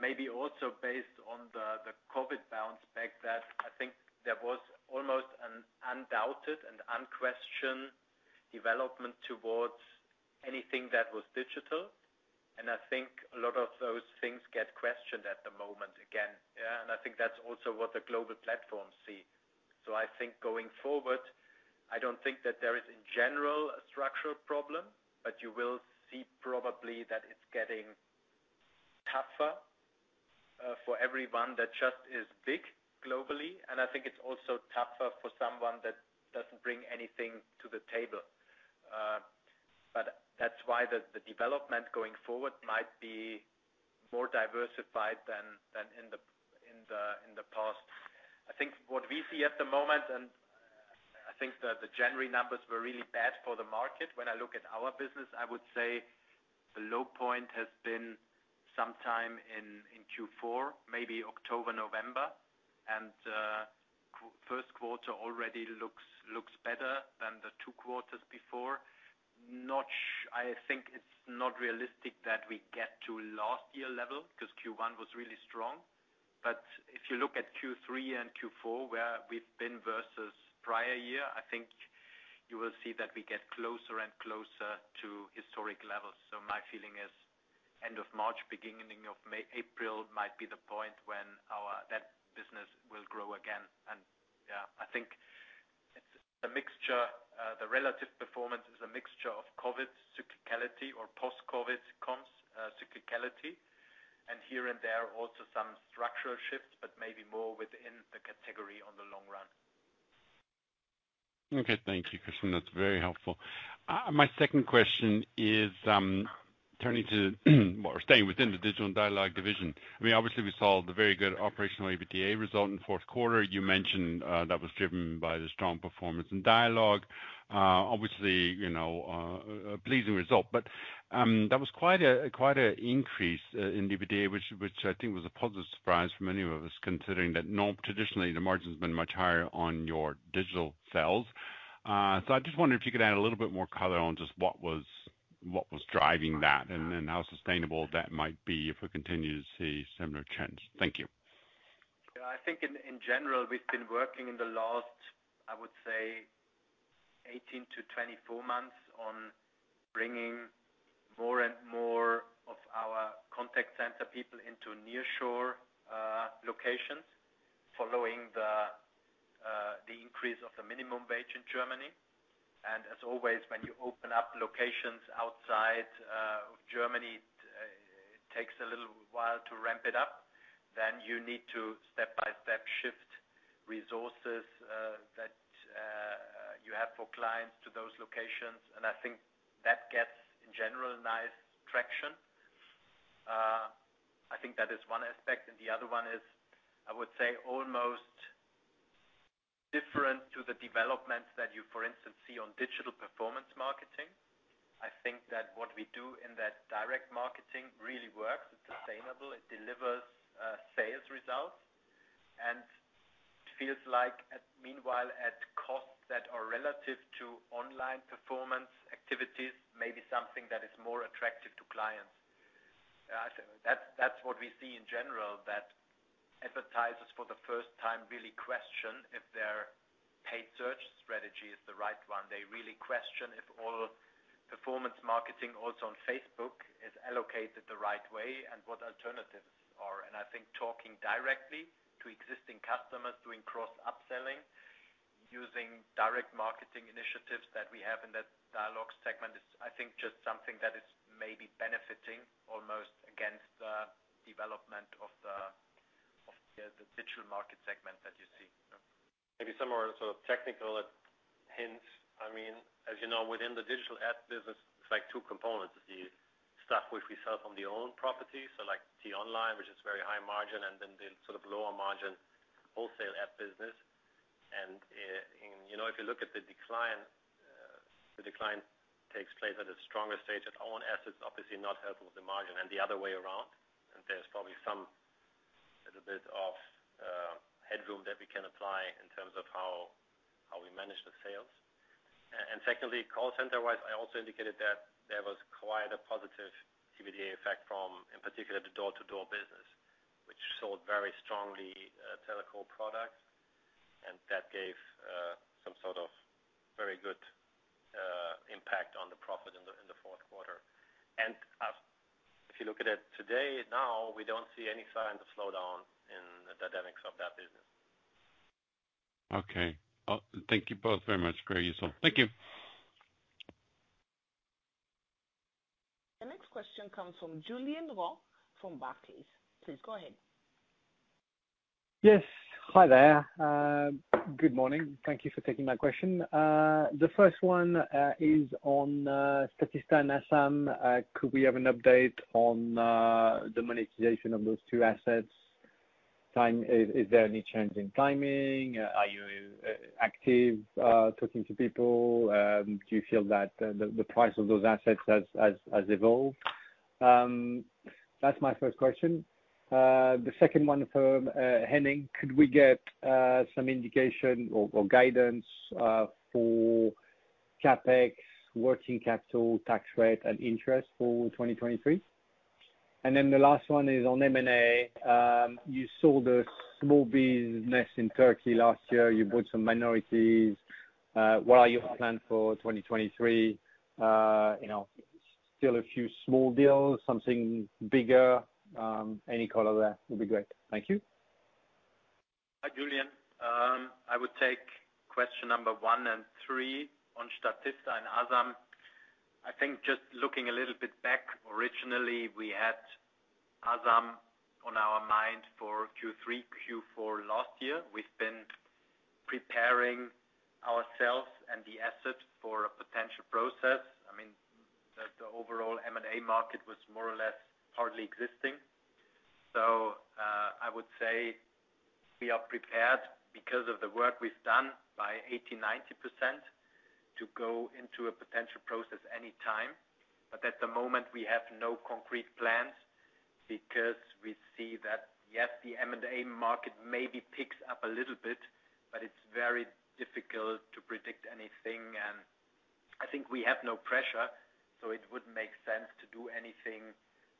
maybe also based on the COVID bounce back that I think there was almost an undoubted and unquestioned development towards anything that was digital. I think a lot of those things get questioned at the moment again. Yeah, I think that's also what the global platforms see. I think going forward, I don't think that there is in general a structural problem, but you will see probably that it's getting tougher, for everyone that just is big globally. I think it's also tougher for someone that doesn't bring anything to the table. That's why the development going forward might be more diversified than in the, in the, in the past. I think what we see at the moment, I think the January numbers were really bad for the market. When I look at our business, I would say the low point has been some time in Q4, maybe October, November, Q1 already looks better than the two quarters before. I think it's not realistic that we get to last year level cause Q1 was really strong. If you look at Q3 and Q4, where we've been versus prior year, I think you will see that we get closer and closer to historic levels. My feeling is end of March, beginning of May, April might be the point when that business will grow again. Yeah, I think it's a mixture. The relative performance is a mixture of COVID cyclicality or post-COVID comps, cyclicality, and here and there also some structural shifts, but maybe more within the category on the long run. Okay. Thank you, Christian. That's very helpful. My second question is, turning to or staying within the digital dialogue division. I mean, obviously we saw the very good operational EBITDA result in Q4. You mentioned that was driven by the strong performance in dialogue. Obviously, you know, a pleasing result, but that was quite an increase in EBITDA, which I think was a positive surprise for many of us, considering that traditionally, the margin's been much higher on your digital sales. I just wondered if you could add a little bit more color on just what was driving that, and then how sustainable that might be if we continue to see similar trends. Thank you. Yeah. I think in general; we've been working in the last, I would say 18 to 24 months on bringing more and more of our contact center people into nearshore locations following the increase of the minimum wage in Germany. As always, when you open up locations outside of Germany, it takes a little while to ramp it up. You need to step-by-step shift resources that you have for clients to those locations. I think that gets, in general, nice traction. I think that is one aspect. The other one is, I would say, almost different to the developments that you, for instance, see on digital performance marketing. I think that what we do in that direct marketing really works. It's sustainable, it delivers, sales results. It feels like at costs that are relative to online performance activities, maybe something that is more attractive to clients. That's what we see in general, that advertisers for the first time really question if their paid search strategy is the right one. They really question if all performance marketing also on Facebook is allocated the right way and what alternatives are. I think talking directly to existing customers, doing cross upselling, using direct marketing initiatives that we have in that dialogue segment is I think just something that is maybe benefiting almost. The digital market segment that you see. Maybe some more sort of technical hint. As you know, within the digital ad business, it's like two components. The stuff which we sell from the own property, so like t-online, which is very high margin, and then the sort of lower margin wholesale ad business. If you look at the decline, the decline takes place at a stronger stage. At own assets, obviously not helpful with the margin and the other way around. There's probably some little bit of headroom that we can apply in terms of how we manage the sales. Secondly, call center wise, I also indicated that there was quite a positive EBITDA effect from, in particular, the door-to-door business, which sold very strongly, teleco products. That gave, some sort of very good, impact on the profit in the Q4. If you look at it today, now, we don't see any signs of slowdown in the dynamics of that business. Okay. Thank you both very much. Very useful. Thank you. The next question comes from Julien Roch from Barclays. Please go ahead. Yes. Hi there. Good morning. Thank you for taking my question. The first one is on Statista and Asam. Could we have an update on the monetization of those two assets? Is there any change in timing? Are you active talking to people? Do you feel that the price of those assets has evolved? That's my first question. The second one for Henning, could we get some indication or guidance for CapEx, working capital, tax rate, and interest for 2023? The last one is on M&A. You sold a small business in Turkey last year. You bought some minorities. What are your plans for 2023? You know, still a few small deals, something bigger, any color there would be great. Thank you. Hi, Julien. I would take question number 1 and 3 on Statista and Asam. I think just looking a little bit back, originally, we had Asam on our mind for Q3, Q4 last year. We've been preparing ourselves and the assets for a potential process. I mean, the overall M&A market was more or less hardly existing. I would say we are prepared because of the work we've done by 80%, 90% to go into a potential process any time. At the moment, we have no concrete plans because we see that, yes, the M&A market maybe picks up a little bit, but it's very difficult to predict anything. I think we have no pressure, so it wouldn't make sense to do anything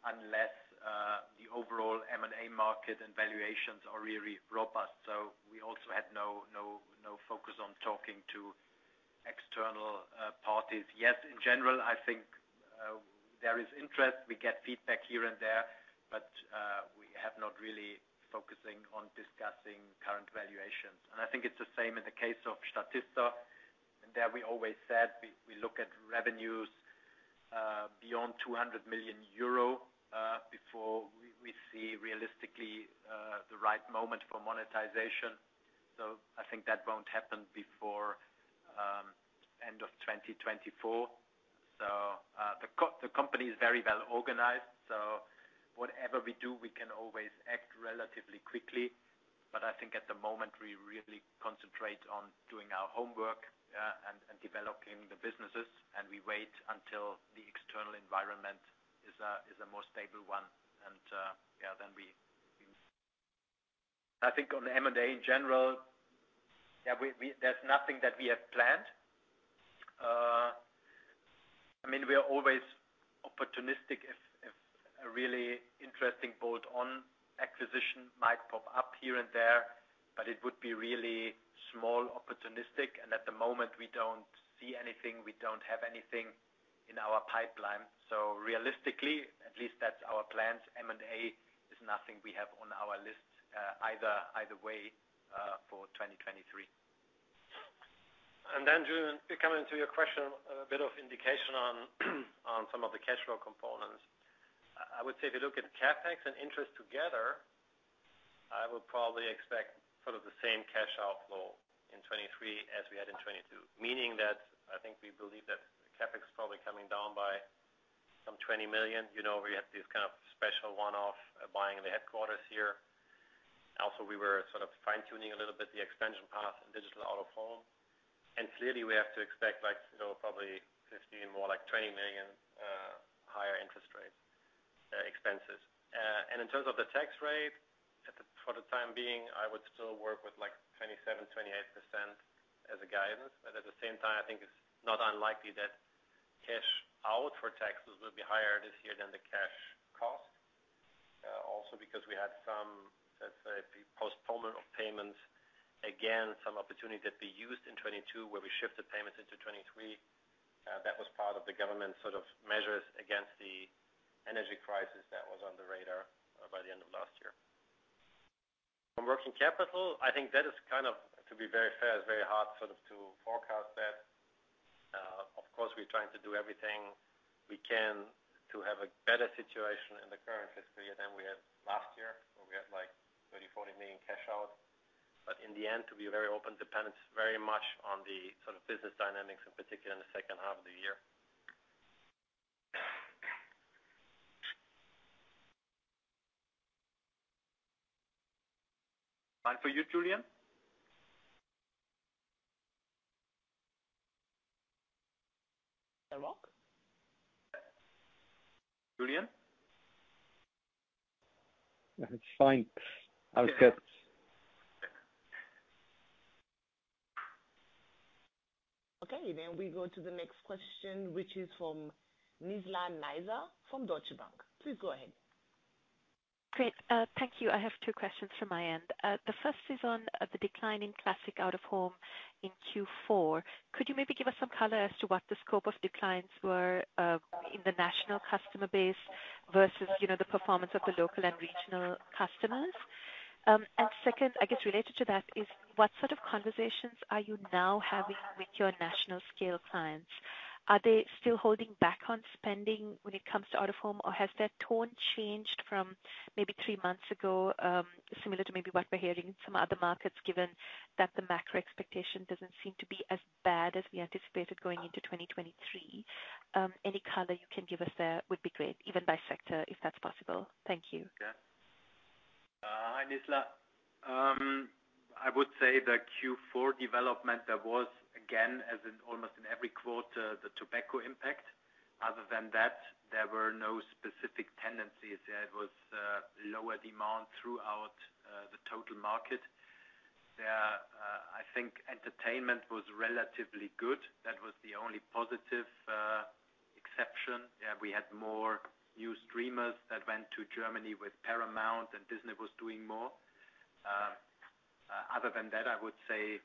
unless the overall M&A market and valuations are really robust. We also had no focus on talking to external parties. Yes, in general, I think there is interest. We get feedback here and there, but we have not really focusing on discussing current valuations. I think it's the same in the case of Statista. There we always said we look at revenues beyond 200 million euro before we see realistically the right moment for monetization. I think that won't happen before end of 2024. The company is very well organized, so whatever we do, we can always act relatively quickly. I think at the moment, we really concentrate on doing our homework and developing the businesses, and we wait until the external environment is a more stable one. Then we. I think on M&A in general, yeah, we there's nothing that we have planned. I mean, we are always opportunistic if a really interesting bolt-on acquisition might pop up here and there, but it would be really small, opportunistic, and at the moment, we don't see anything. We don't have anything in our pipeline. Realistically, at least that's our plans. M&A is nothing we have on our list, either way, for 2023. Julien, to come into your question, a bit of indication on some of the cash flow components. I would say if you look at CapEx and interest together, I would probably expect sort of the same cash outflow in 23 as we had in 22. Meaning that I think we believe that CapEx is probably coming down by some 20 million. You know, we have these kind of special one-off buying in the headquarters here. Also, we were sort of fine-tuning a little bit the expansion path in digital out-of-home. Clearly, we have to expect like, you know, probably 15, more like 20 million EUR higher interest rate expenses. In terms of the tax rate, for the time being, I would still work with like 27%, 28% as a guidance. At the same time, I think it's not unlikely that cash out for taxes will be higher this year than the cash cost. Also because we had some, let's say, postponement of payments, again, some opportunity that we used in 2022, where we shifted payments into 2023. That was part of the government sort of measures against the energy crisis that was on the radar by the end of last year. On working capital, I think that is kind of, to be very fair, it's very hard sort of to forecast that. Of course, we're trying to do everything we can to have a better situation in the current fiscal year than we had last year, where we had like 30 million, 40 million cash out. In the end, to be very open, depends very much on the sort of business dynamics, in particular in the H2 of the year. Fine for you, Julien? Hello? Julien? It's fine. I was cut. Okay, we go to the next question, which is from Nisla Niza from Deutsche Bank. Please go ahead. Great. Thank you. I have two questions from my end. The first is on the decline in classic out-of-home in Q4. Could you maybe give us some color as to what the scope of declines were in the national customer base versus, you know, the performance of the local and regional customers? Second, I guess related to that is what sort of conversations are you now having with your national scale clients? Are they still holding back on spending when it comes to out-of-home, or has that tone changed from maybe three months ago, similar to maybe what we're hearing from other markets, given that the macro expectation doesn't seem to be as bad as we anticipated going into 2023? Any color you can give us there would be great, even by sector, if that's possible. Thank you. Hi, Nisla. I would say the Q4 development, there was again, as in almost every quarter, the tobacco impact. There were no specific tendencies. It was lower demand throughout the total market. I think entertainment was relatively good. That was the only positive exception. We had more new streamers that went to Germany with Paramount, and Disney was doing more. I would say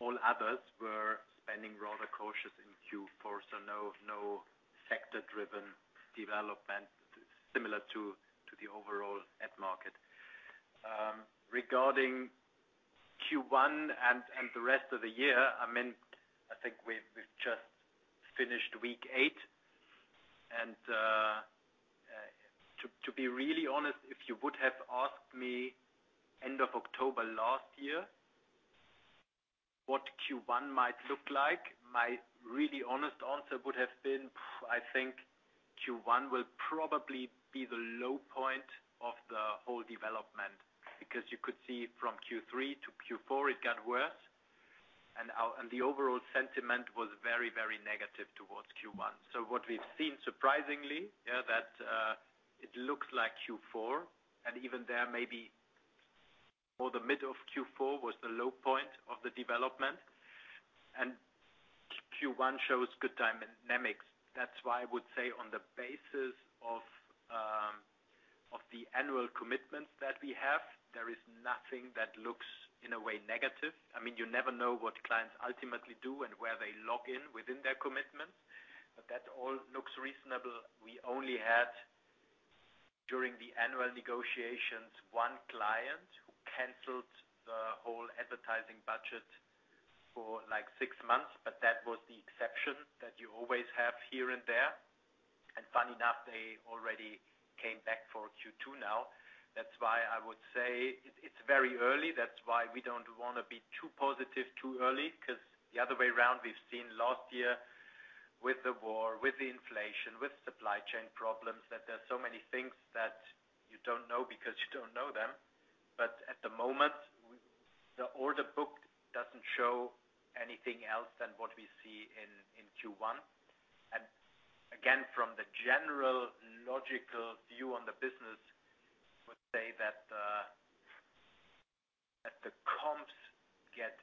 all others were spending rather cautious in Q4. No sector-driven development similar to the overall ad market. Regarding Q1 and the rest of the year, I mean, I think we've just finished week eight. To be really honest, if you would have asked me end of October last year what Q1 might look like, my really honest answer would have been, I think Q1 will probably be the low point of the whole development, because you could see from Q3 to Q4 it got worse. The overall sentiment was very, very negative towards Q1. What we've seen, surprisingly, that it looks like Q4, and even there, maybe more the mid of Q4 was the low point of the development. Q1 shows good dynamics. That's why I would say on the basis of the annual commitments that we have, there is nothing that looks in a way negative. I mean, you never know what clients ultimately do and where they log in within their commitments, but that all looks reasonable. We only had, during the annual negotiations, one client who canceled the whole advertising budget for like six months, but that was the exception that you always have here and there. Funny enough, they already came back for Q2 now. That's why I would say it's very early. That's why we don't want to be too positive too early, because the other way around, we've seen last year with the war, with the inflation, with supply chain problems, that there are so many things that you don't know because you don't know them. At the moment, the order book doesn't show anything else than what we see in Q1. Again, from the general logical view on the business, I would say that the comps get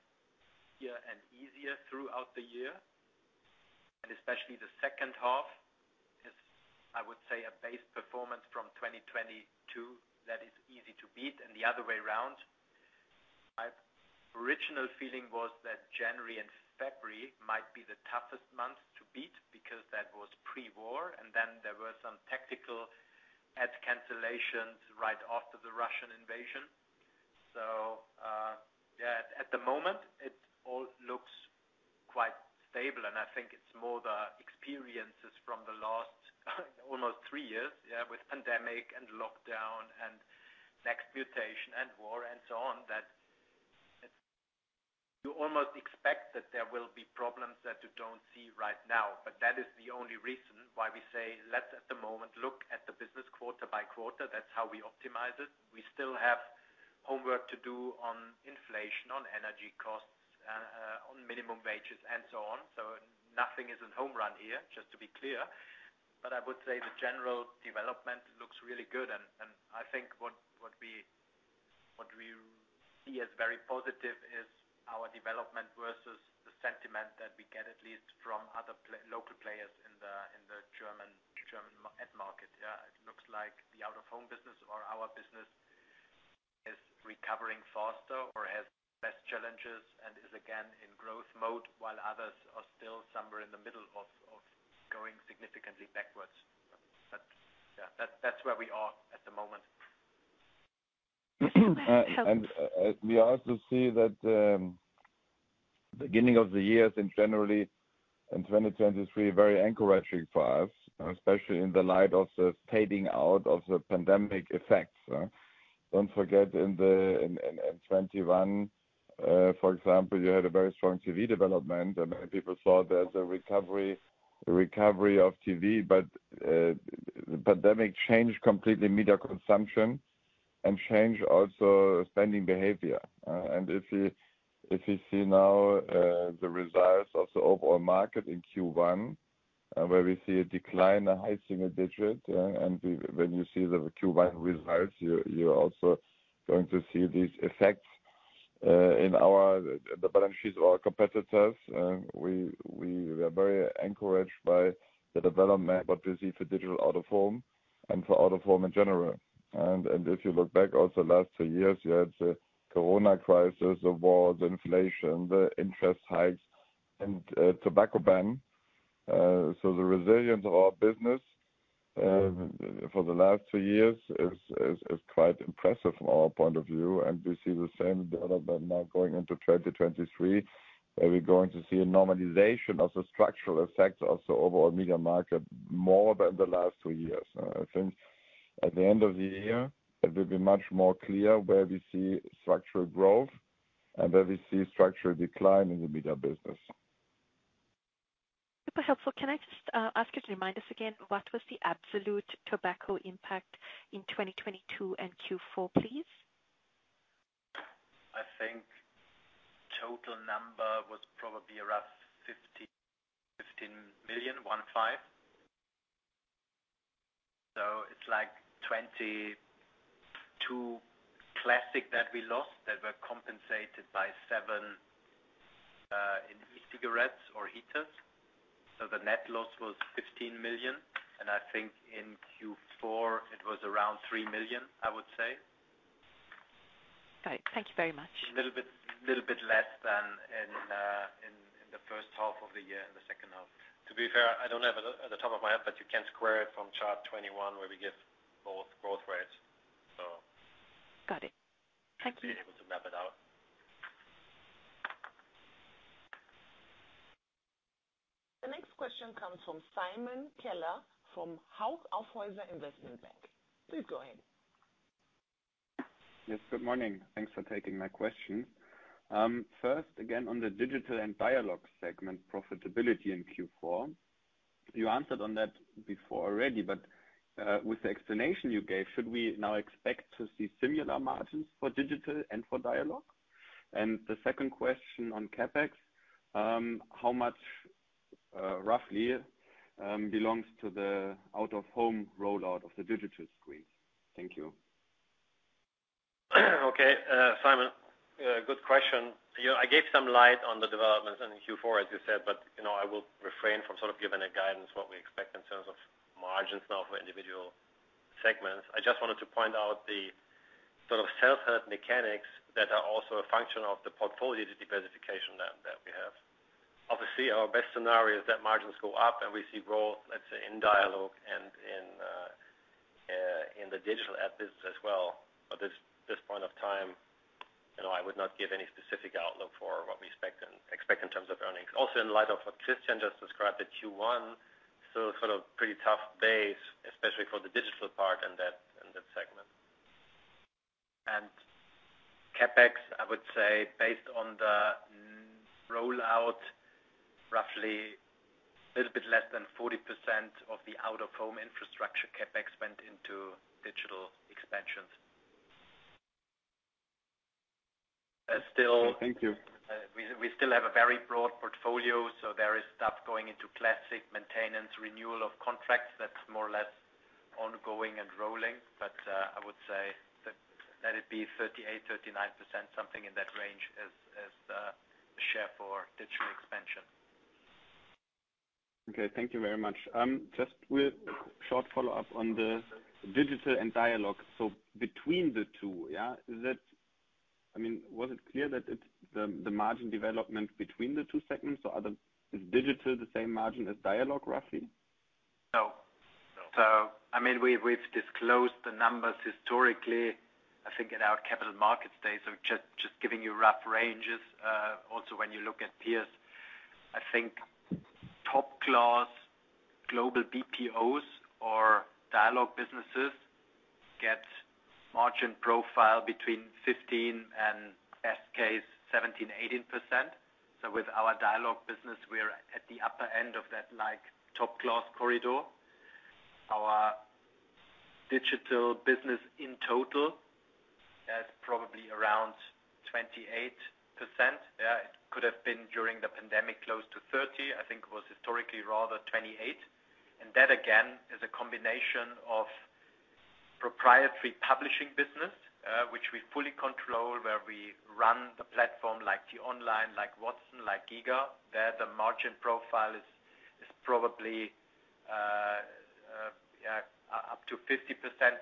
easier and easier throughout the year, and especially the H2 is, I would say, a base performance from 2022 that is easy to beat and the other way around. My original feeling was that January and February might be the toughest months to beat because that was pre-war, and then there were some tactical ad cancellations right after the Russian invasion. At the moment it all looks quite stable, and I think it's more the experiences from the last almost 3 years, yeah, with pandemic and lockdown and next mutation and war and so on, that you almost expect that there will be problems that you don't see right now. That is the only reason why we say, let's, at the moment, look at the business quarter by quarter. That's how we optimize it. We still have homework to do on inflation, on energy costs, on minimum wages and so on. Nothing is a home run here, just to be clear. I would say the general development looks really good. I think what we see as very positive is our development versus the sentiment that we get, at least from other local players in the German ad market. Yeah, it looks like the out-of-home business or our business is recovering faster or has less challenges and is again in growth mode while others are still somewhere in the middle of going significantly backwards. Yeah, that's where we are at the moment. We also see that, beginning of the years in generally in 2023 very encouraging for us, especially in the light of the fading out of the pandemic effects. Don't forget in 2021, for example, you had a very strong TV development, and many people saw it as a recovery of TV. The pandemic changed completely media consumption and changed also spending behavior. If you see now, the results of the overall market in Q1, where we see a decline in high single digits, when you see the Q1 results, you're also going to see these effects in the balance sheets of our competitors. We were very encouraged by the development, what we see for digital out of home and for out of home in general. If you look back also last two years, you had the COVID crisis, the wars, inflation, the interest hikes and tobacco ban. The resilience of our business for the last two years is quite impressive from our point of view. We see the same development now going into 2023, where we're going to see a normalization of the structural effects of the overall media market more than the last two years. I think at the end of the year, it will be much more clear where we see structural growth and where we see structural decline in the media business. Super helpful. Can I just ask you to remind us again what was the absolute tobacco impact in 2022 and Q4, please? I think total number was probably around 15 million, one five. It's like 22 classic that we lost that were compensated by 7 in e-cigarettes or heaters. The net loss was 15 million, and I think in Q4, it was around 3 million, I would say. Great. Thank you very much. A little bit less than in the H1 of the year and the H2. To be fair, I don't have it at the top of my head, but you can square it from chart 21 where we give both growth rates. Got it. Thank you. You should be able to map it out. The next question comes from Simon Keller from Hauck Aufhäuser Investment Bank. Please go ahead. Yes, good morning. Thanks for taking my question. First, again, on the digital and Dialego segment profitability in Q4, you answered on that before already, with the explanation you gave, should we now expect to see similar margins for digital and for Dialego? The second question on CapEx, how much, roughly, belongs to the out-of-home rollout of the digital screens? Thank you. Okay. Simon, good question. You know, I gave some light on the developments in Q4, as you said, you know, I will refrain from sort of giving a guidance what we expect in terms of margins now for individual segments. I just wanted to point out the sort of sell-side mechanics that are also a function of the portfolio diversification that we have. Obviously, our best scenario is that margins go up, we see growth, let's say, in Dialego and in the digital ad business as well. At this point of time, you know, I would not give any specific outlook for what we expect in terms of earnings. In light of what Christian just described, the Q1, sort of pretty tough base, especially for the digital part in that segment. CapEx, I would say based on the rollout, roughly a little bit less than 40% of the out-of-home infrastructure CapEx went into digital expansions. Thank you. We still have a very broad portfolio, so there is stuff going into classic maintenance, renewal of contracts that's more or less ongoing and rolling. I would say that let it be 38%-39%, something in that range as the share for digital expansion. Okay. Thank you very much. Just with short follow-up on the digital and Dialego. Between the two, yeah, I mean, was it clear that the margin development between the two segments or is digital the same margin as Dialego, roughly? No. I mean, we've disclosed the numbers historically, I think at our capital markets day. So just giving you rough ranges. Also, when you look at peers, I think top-class global BPOs or Dialego businesses get margin profile between 15% and best case 17 to 18%. So, with our Dialego business, we're at the upper end of that, like, top-class corridor. Our digital business in total has probably around 28%. Yeah, it could have been during the pandemic, close to 30%, I think it was historically rather 28%. And that again, is a combination of proprietary publishing business, which we fully control, where we run the platform like t-online, like watson, like GIGA. There, the margin profile is probably up to 50%,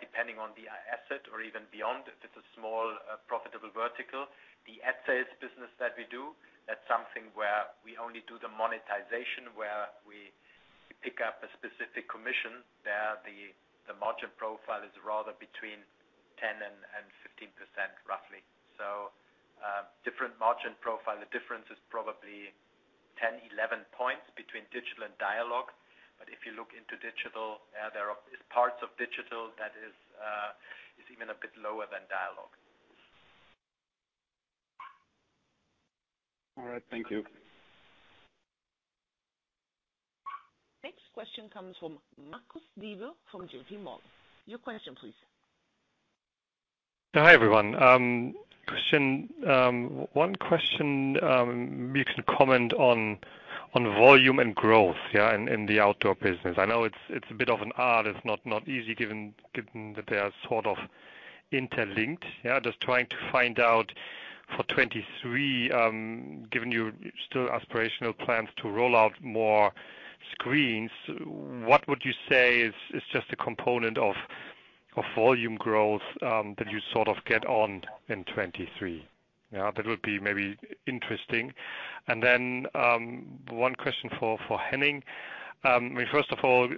depending on the asset or even beyond, if it's a small, profitable vertical. The ad sales business that we do, that's something where we only do the monetization, where we pick up a specific commission there, the margin profile is rather between 10% and 15%, roughly. Different margin profile, the difference is probably 10, 11 points between digital and Dialego. If you look into digital, there are parts of digital that is even a bit lower than Dialego. All right, thank you. Next question comes from Marcus Dibble from JP Morgan. Your question please. Hi, everyone. Christian, one question, you can comment on volume and growth, yeah, in the outdoor business. I know it's a bit of an art. It's not easy given that they are sort of interlinked. Yeah, just trying to find out for 23, given you still aspirational plans to roll out more screens, what would you say is just a component of volume growth that you sort of get on in 23? Yeah, that would be maybe interesting. Then, one question for Henning. I mean, first of all,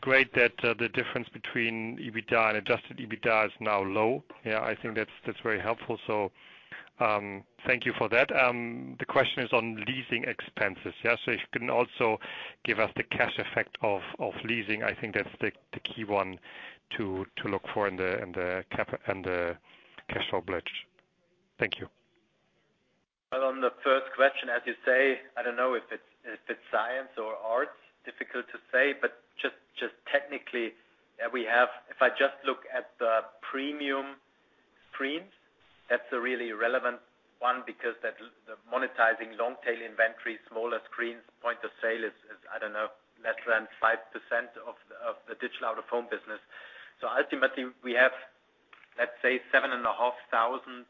great that the difference between EBITDA and adjusted EBITDA is now low. Yeah, I think that's very helpful. Thank you for that. The question is on leasing expenses. Yeah, if you can also give us the cash effect of leasing. I think that's the key one to look for in the cash flow pledge. Thank you. Well, on the first question, as you say, I don't know if it's, if it's science or arts, difficult to say. Just technically, If I just look at the premium screens, that's a really relevant one because that the monetizing long tail inventory, smaller screens, point of sale is, I don't know, less than 5% of the digital out of home business. Ultimately, we have, let's say, 7,500 screens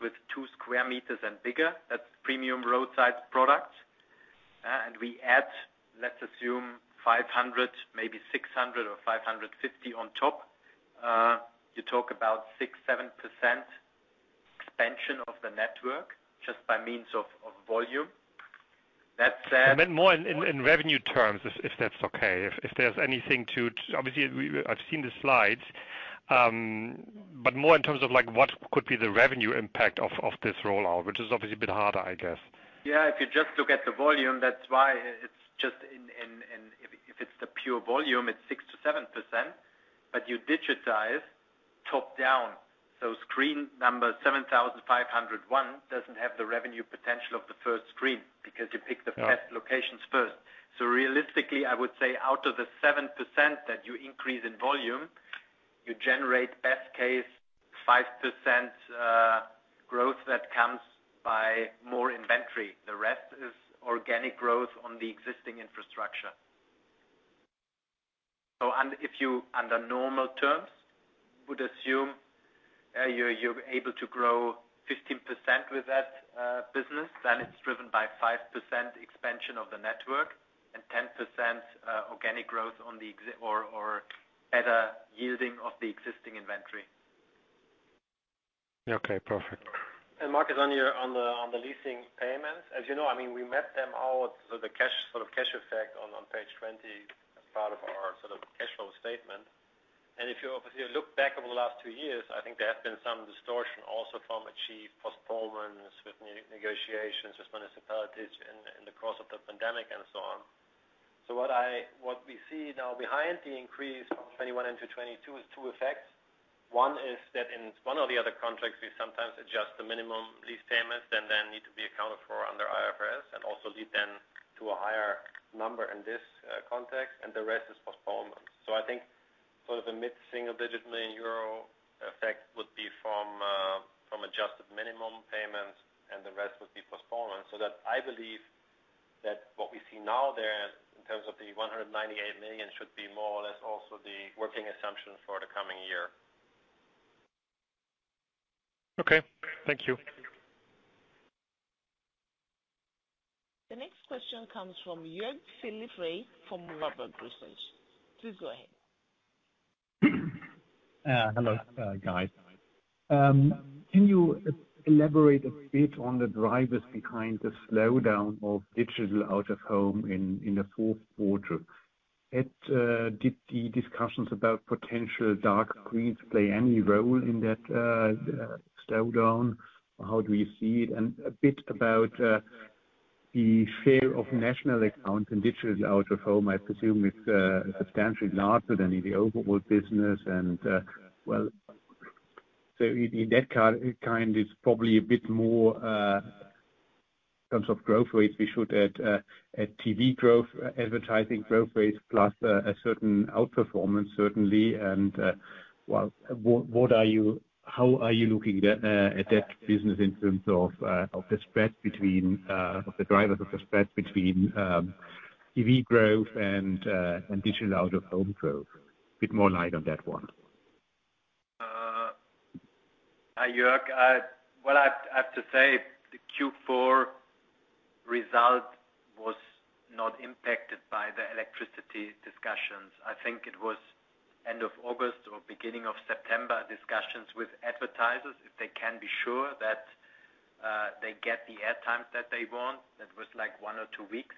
with 2 sq m and bigger. That's premium roadside products. We add, let's assume 500, maybe 600 or 550 on top. You talk about 6%, 7% expansion of the network just by means of volume. That said. I meant more in revenue terms, if that's okay. If there's anything to. Obviously I've seen the slides, but more in terms of like what could be the revenue impact of this rollout, which is obviously a bit harder, I guess. Yeah, if you just look at the volume. If it's the pure volume, it's 6 to 7%, but you digitize top-down. Screen number 7,501 doesn't have the revenue potential of the 1st screen because you pick the best. Yeah locations first. Realistically, I would say out of the 7% that you increase in volume, you generate best case 5% growth that comes by more inventory. The rest is organic growth on the existing infrastructure. If you, under normal terms, would assume, you're able to grow 15% with that business, then it's driven by 5% expansion of the network and 10% organic growth on the or better yielding of the existing inventory. Okay, perfect. Marcus, on the leasing payments, as you know, I mean, we map them out with the cash, sort of, cash effect on page 20 as part of our, sort of, cash flow statement. If you obviously look back over the last 2 years, I think there has been some distortion also from achieved postponements with negotiations with municipalities in the course of the pandemic and so on. What we see now behind the increase of 2021 into 2022 is 2 effects. One is that in one or the other contracts, we sometimes adjust the minimum lease payments, and then need to be accounted for under IFRS, and also lead then to a higher number in this context, and the rest is postponements. I think sort of a mid-single digit million euro effect would be from adjusted minimum payments, and the rest would be postponements. That I believe that what we see now there in terms of the 198 million should be more or less also the working assumption for the coming year. Okay. Thank you. The next question comes from Jörg Philipp Frey from Warburg Research. Please go ahead. Hello, guys. Can you elaborate a bit on the drivers behind the slowdown of digital out-of-home in the Q4? Did the discussions about potential dark screens play any role in that slowdown? How do you see it? A bit about the share of national account in digital out-of-home, I presume it's substantially larger than in the overall business and, well, so in that kind, it's probably a bit more in terms of growth rates, we should add TV growth, advertising growth rates, plus a certain outperformance, certainly. Well, how are you looking at that business in terms of the spread between the drivers of the spread between TV growth and digital out-of-home growth? A bit more light on that one. Hi, Jörg. What I have to say, the Q4 result was not impacted by the electricity discussions. I think it was end of August or beginning of September, discussions with advertisers, if they can be sure that they get the airtime that they want. That was like one or two weeks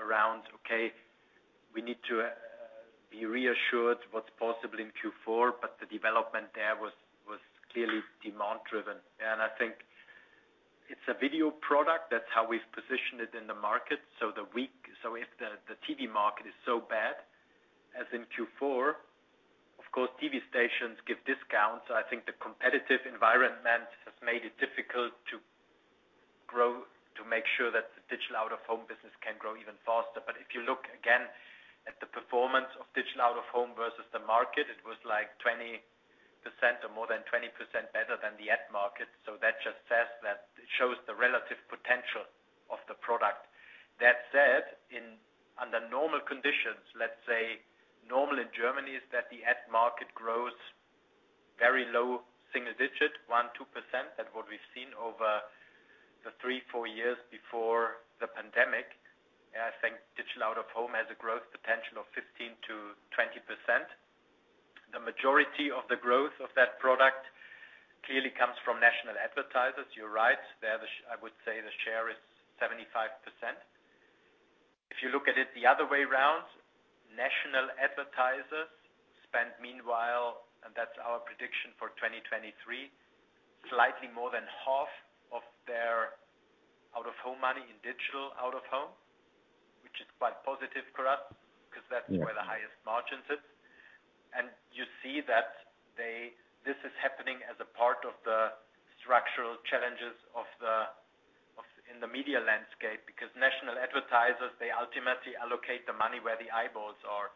around, okay, we need to be reassured what's possible in Q4, but the development there was clearly demand driven. I think it's a video product. That's how we've positioned it in the market. If the TV market is so bad as in Q4, of course, TV stations give discounts. I think the competitive environment has made it difficult to grow, to make sure that the digital out-of-home business can grow even faster. If you look again at the performance of digital out-of-home versus the market, it was like 20% or more than 20% better than the ad market. That just says that it shows the relative potential of the product. That said, under normal conditions, let's say normal in Germany is that the ad market grows very low, single digit, 1%, 2%. That what we've seen over the 3, 4 years before the pandemic. I think digital out-of-home has a growth potential of 15 to 20%. The majority of the growth of that product clearly comes from national advertisers. You're right. I would say the share is 75%. If you look at it the other way around, national advertisers spend meanwhile, and that's our prediction for 2023, slightly more than half of their out-of-home money in digital out-of-home, which is quite positive for us, cause that's where the highest margins sit. You see that this is happening as a part of the structural challenges of the media landscape, because national advertisers, they ultimately allocate the money where the eyeballs are.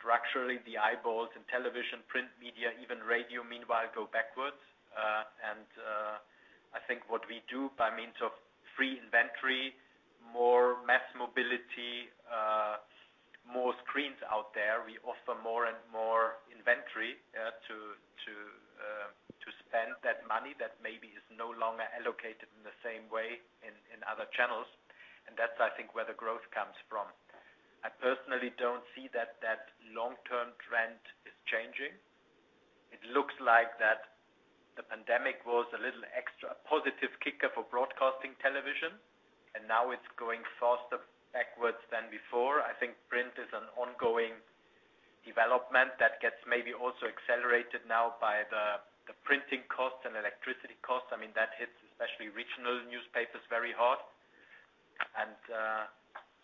Structurally, the eyeballs in television, print media, even radio, meanwhile, go backwards. I think what we do by means of free inventory, more mass mobility, more screens out there, we offer more and more inventory to spend that money that maybe is no longer allocated in the same way in other channels. That's, I think, where the growth comes from. I personally don't see that that long-term trend is changing. It looks like that the pandemic was a little extra positive kicker for broadcasting television, and now it's going faster backwards than before. I think print is an ongoing development that gets maybe also accelerated now by the printing costs and electricity costs. I mean, that hits especially regional newspapers very hard.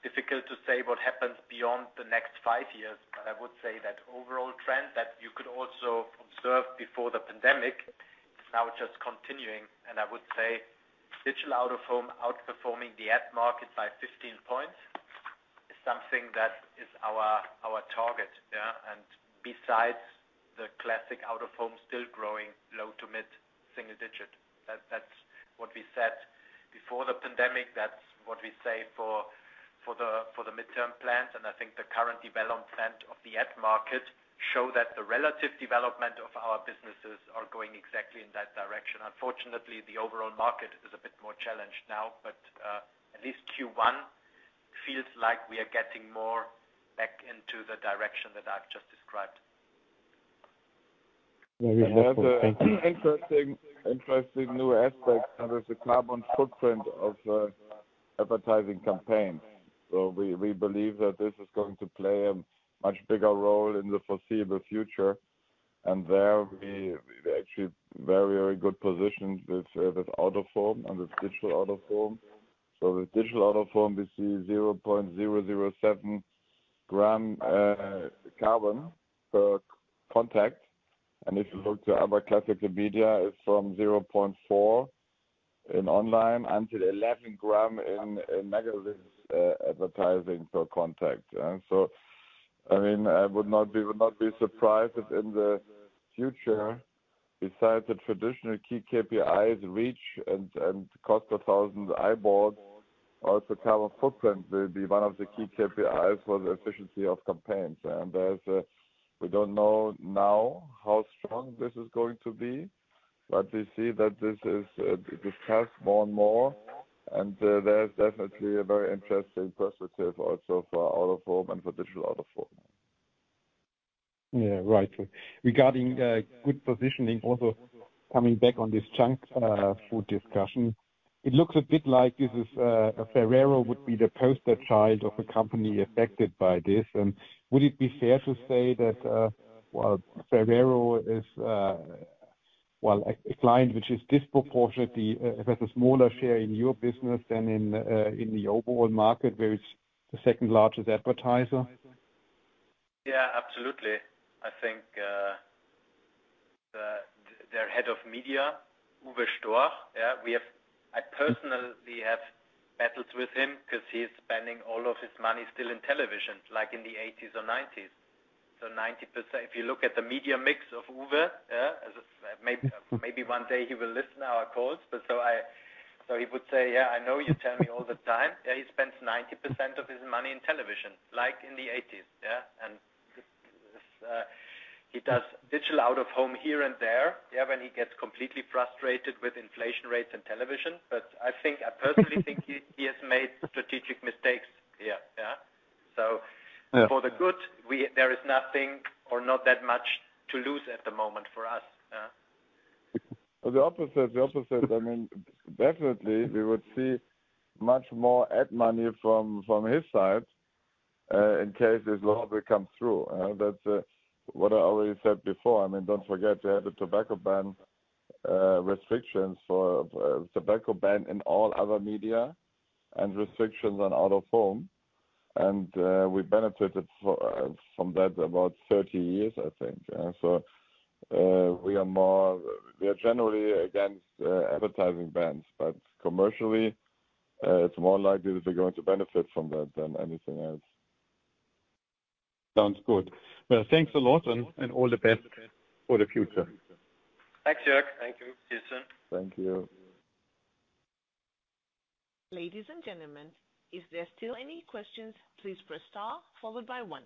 Difficult to say what happens beyond the next five years, but I would say that overall trend that you could also observe before the pandemic is now just continuing. I would say digital out-of-home outperforming the ad market by 15 points is something that is our target, yeah. Besides the classic out-of-home still growing low to mid-single digit. That's what we said before the pandemic. That's what we say for the midterm plans. I think the current development of the ad market show that the relative development of our businesses are going exactly in that direction. Unfortunately, the overall market is a bit more challenged now, but at least Q1 feels like we are getting more back into the direction that I've just described. Yeah, we hope so. Thank you. Interesting new aspect. There is a carbon footprint of advertising campaigns. We believe that this is going to play a much bigger role in the foreseeable future. There we're actually very good positioned with out-of-home and with digital out-of-home. With digital out-of-home, we see 0.007-gram carbon per contact. If you look to other classical media is from 0.4 in online and to 11 gram in magazine advertising per contact. I mean, I would not be surprised if in the future, besides the traditional key KPIs, reach and cost 1,000 eyeballs, also carbon footprint will be one of the key KPIs for the efficiency of campaigns. There's, we don't know now how strong this is going to be. We see that this is discussed more and more. There's definitely a very interesting perspective also for out-of-home and for digital out-of-home. Yeah. Right. Regarding, good positioning, also coming back on this chunk, food discussion, it looks a bit like this is, Ferrero would be the poster child of a company affected by this. Would it be fair to say that, while Ferrero is, while a client which is disproportionately, has a smaller share in your business than in the overall market, where it's the second-largest advertiser? Yeah, absolutely. I think, their Head of Media, Uwe Storch, I personally have battles with him cause he's spending all of his money still in television, like in the 1980s or 1990s. 90%. If you look at the media mix of Uwe, as a. Maybe one day he will listen our calls, but he would say, "Yeah, I know you tell me all the time." He spends 90% of his money in television, like in the 1980s. He does digital out-of-home here and there, when he gets completely frustrated with inflation rates and television. I think, I personally think he has made strategic mistakes. Yeah. Yeah. For the good, there is nothing or not that much to lose at the moment for us. Yeah. The opposite. I mean, definitely, we would see much more ad money from his side, in case this law will come through. That's what I already said before. I mean, don't forget, we have the tobacco ban, restrictions for tobacco ban in all other media and restrictions on out-of-home. We benefited from that about 30 years, I think. So, we are generally against advertising bans, but commercially, it's more likely that we're going to benefit from that than anything else. Sounds good. Well, thanks a lot, and all the best for the future. Thanks, Jörg. Thank you. See you soon. Thank you. Ladies and gentlemen, if there are still any questions, please press star followed by 1.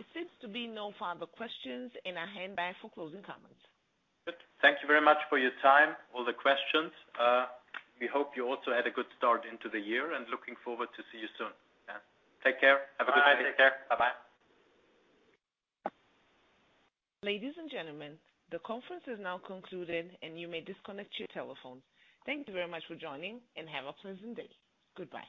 There seems to be no further questions and I hand back for closing comments. Good. Thank you very much for your time, all the questions. We hope you also had a good start into the year and looking forward to see you soon. Yeah. Take care. Have a good time. Bye. Take care. Bye-bye. Ladies and gentlemen, the conference is now concluded and you may disconnect your telephone. Thank you very much for joining and have a pleasant day. Goodbye.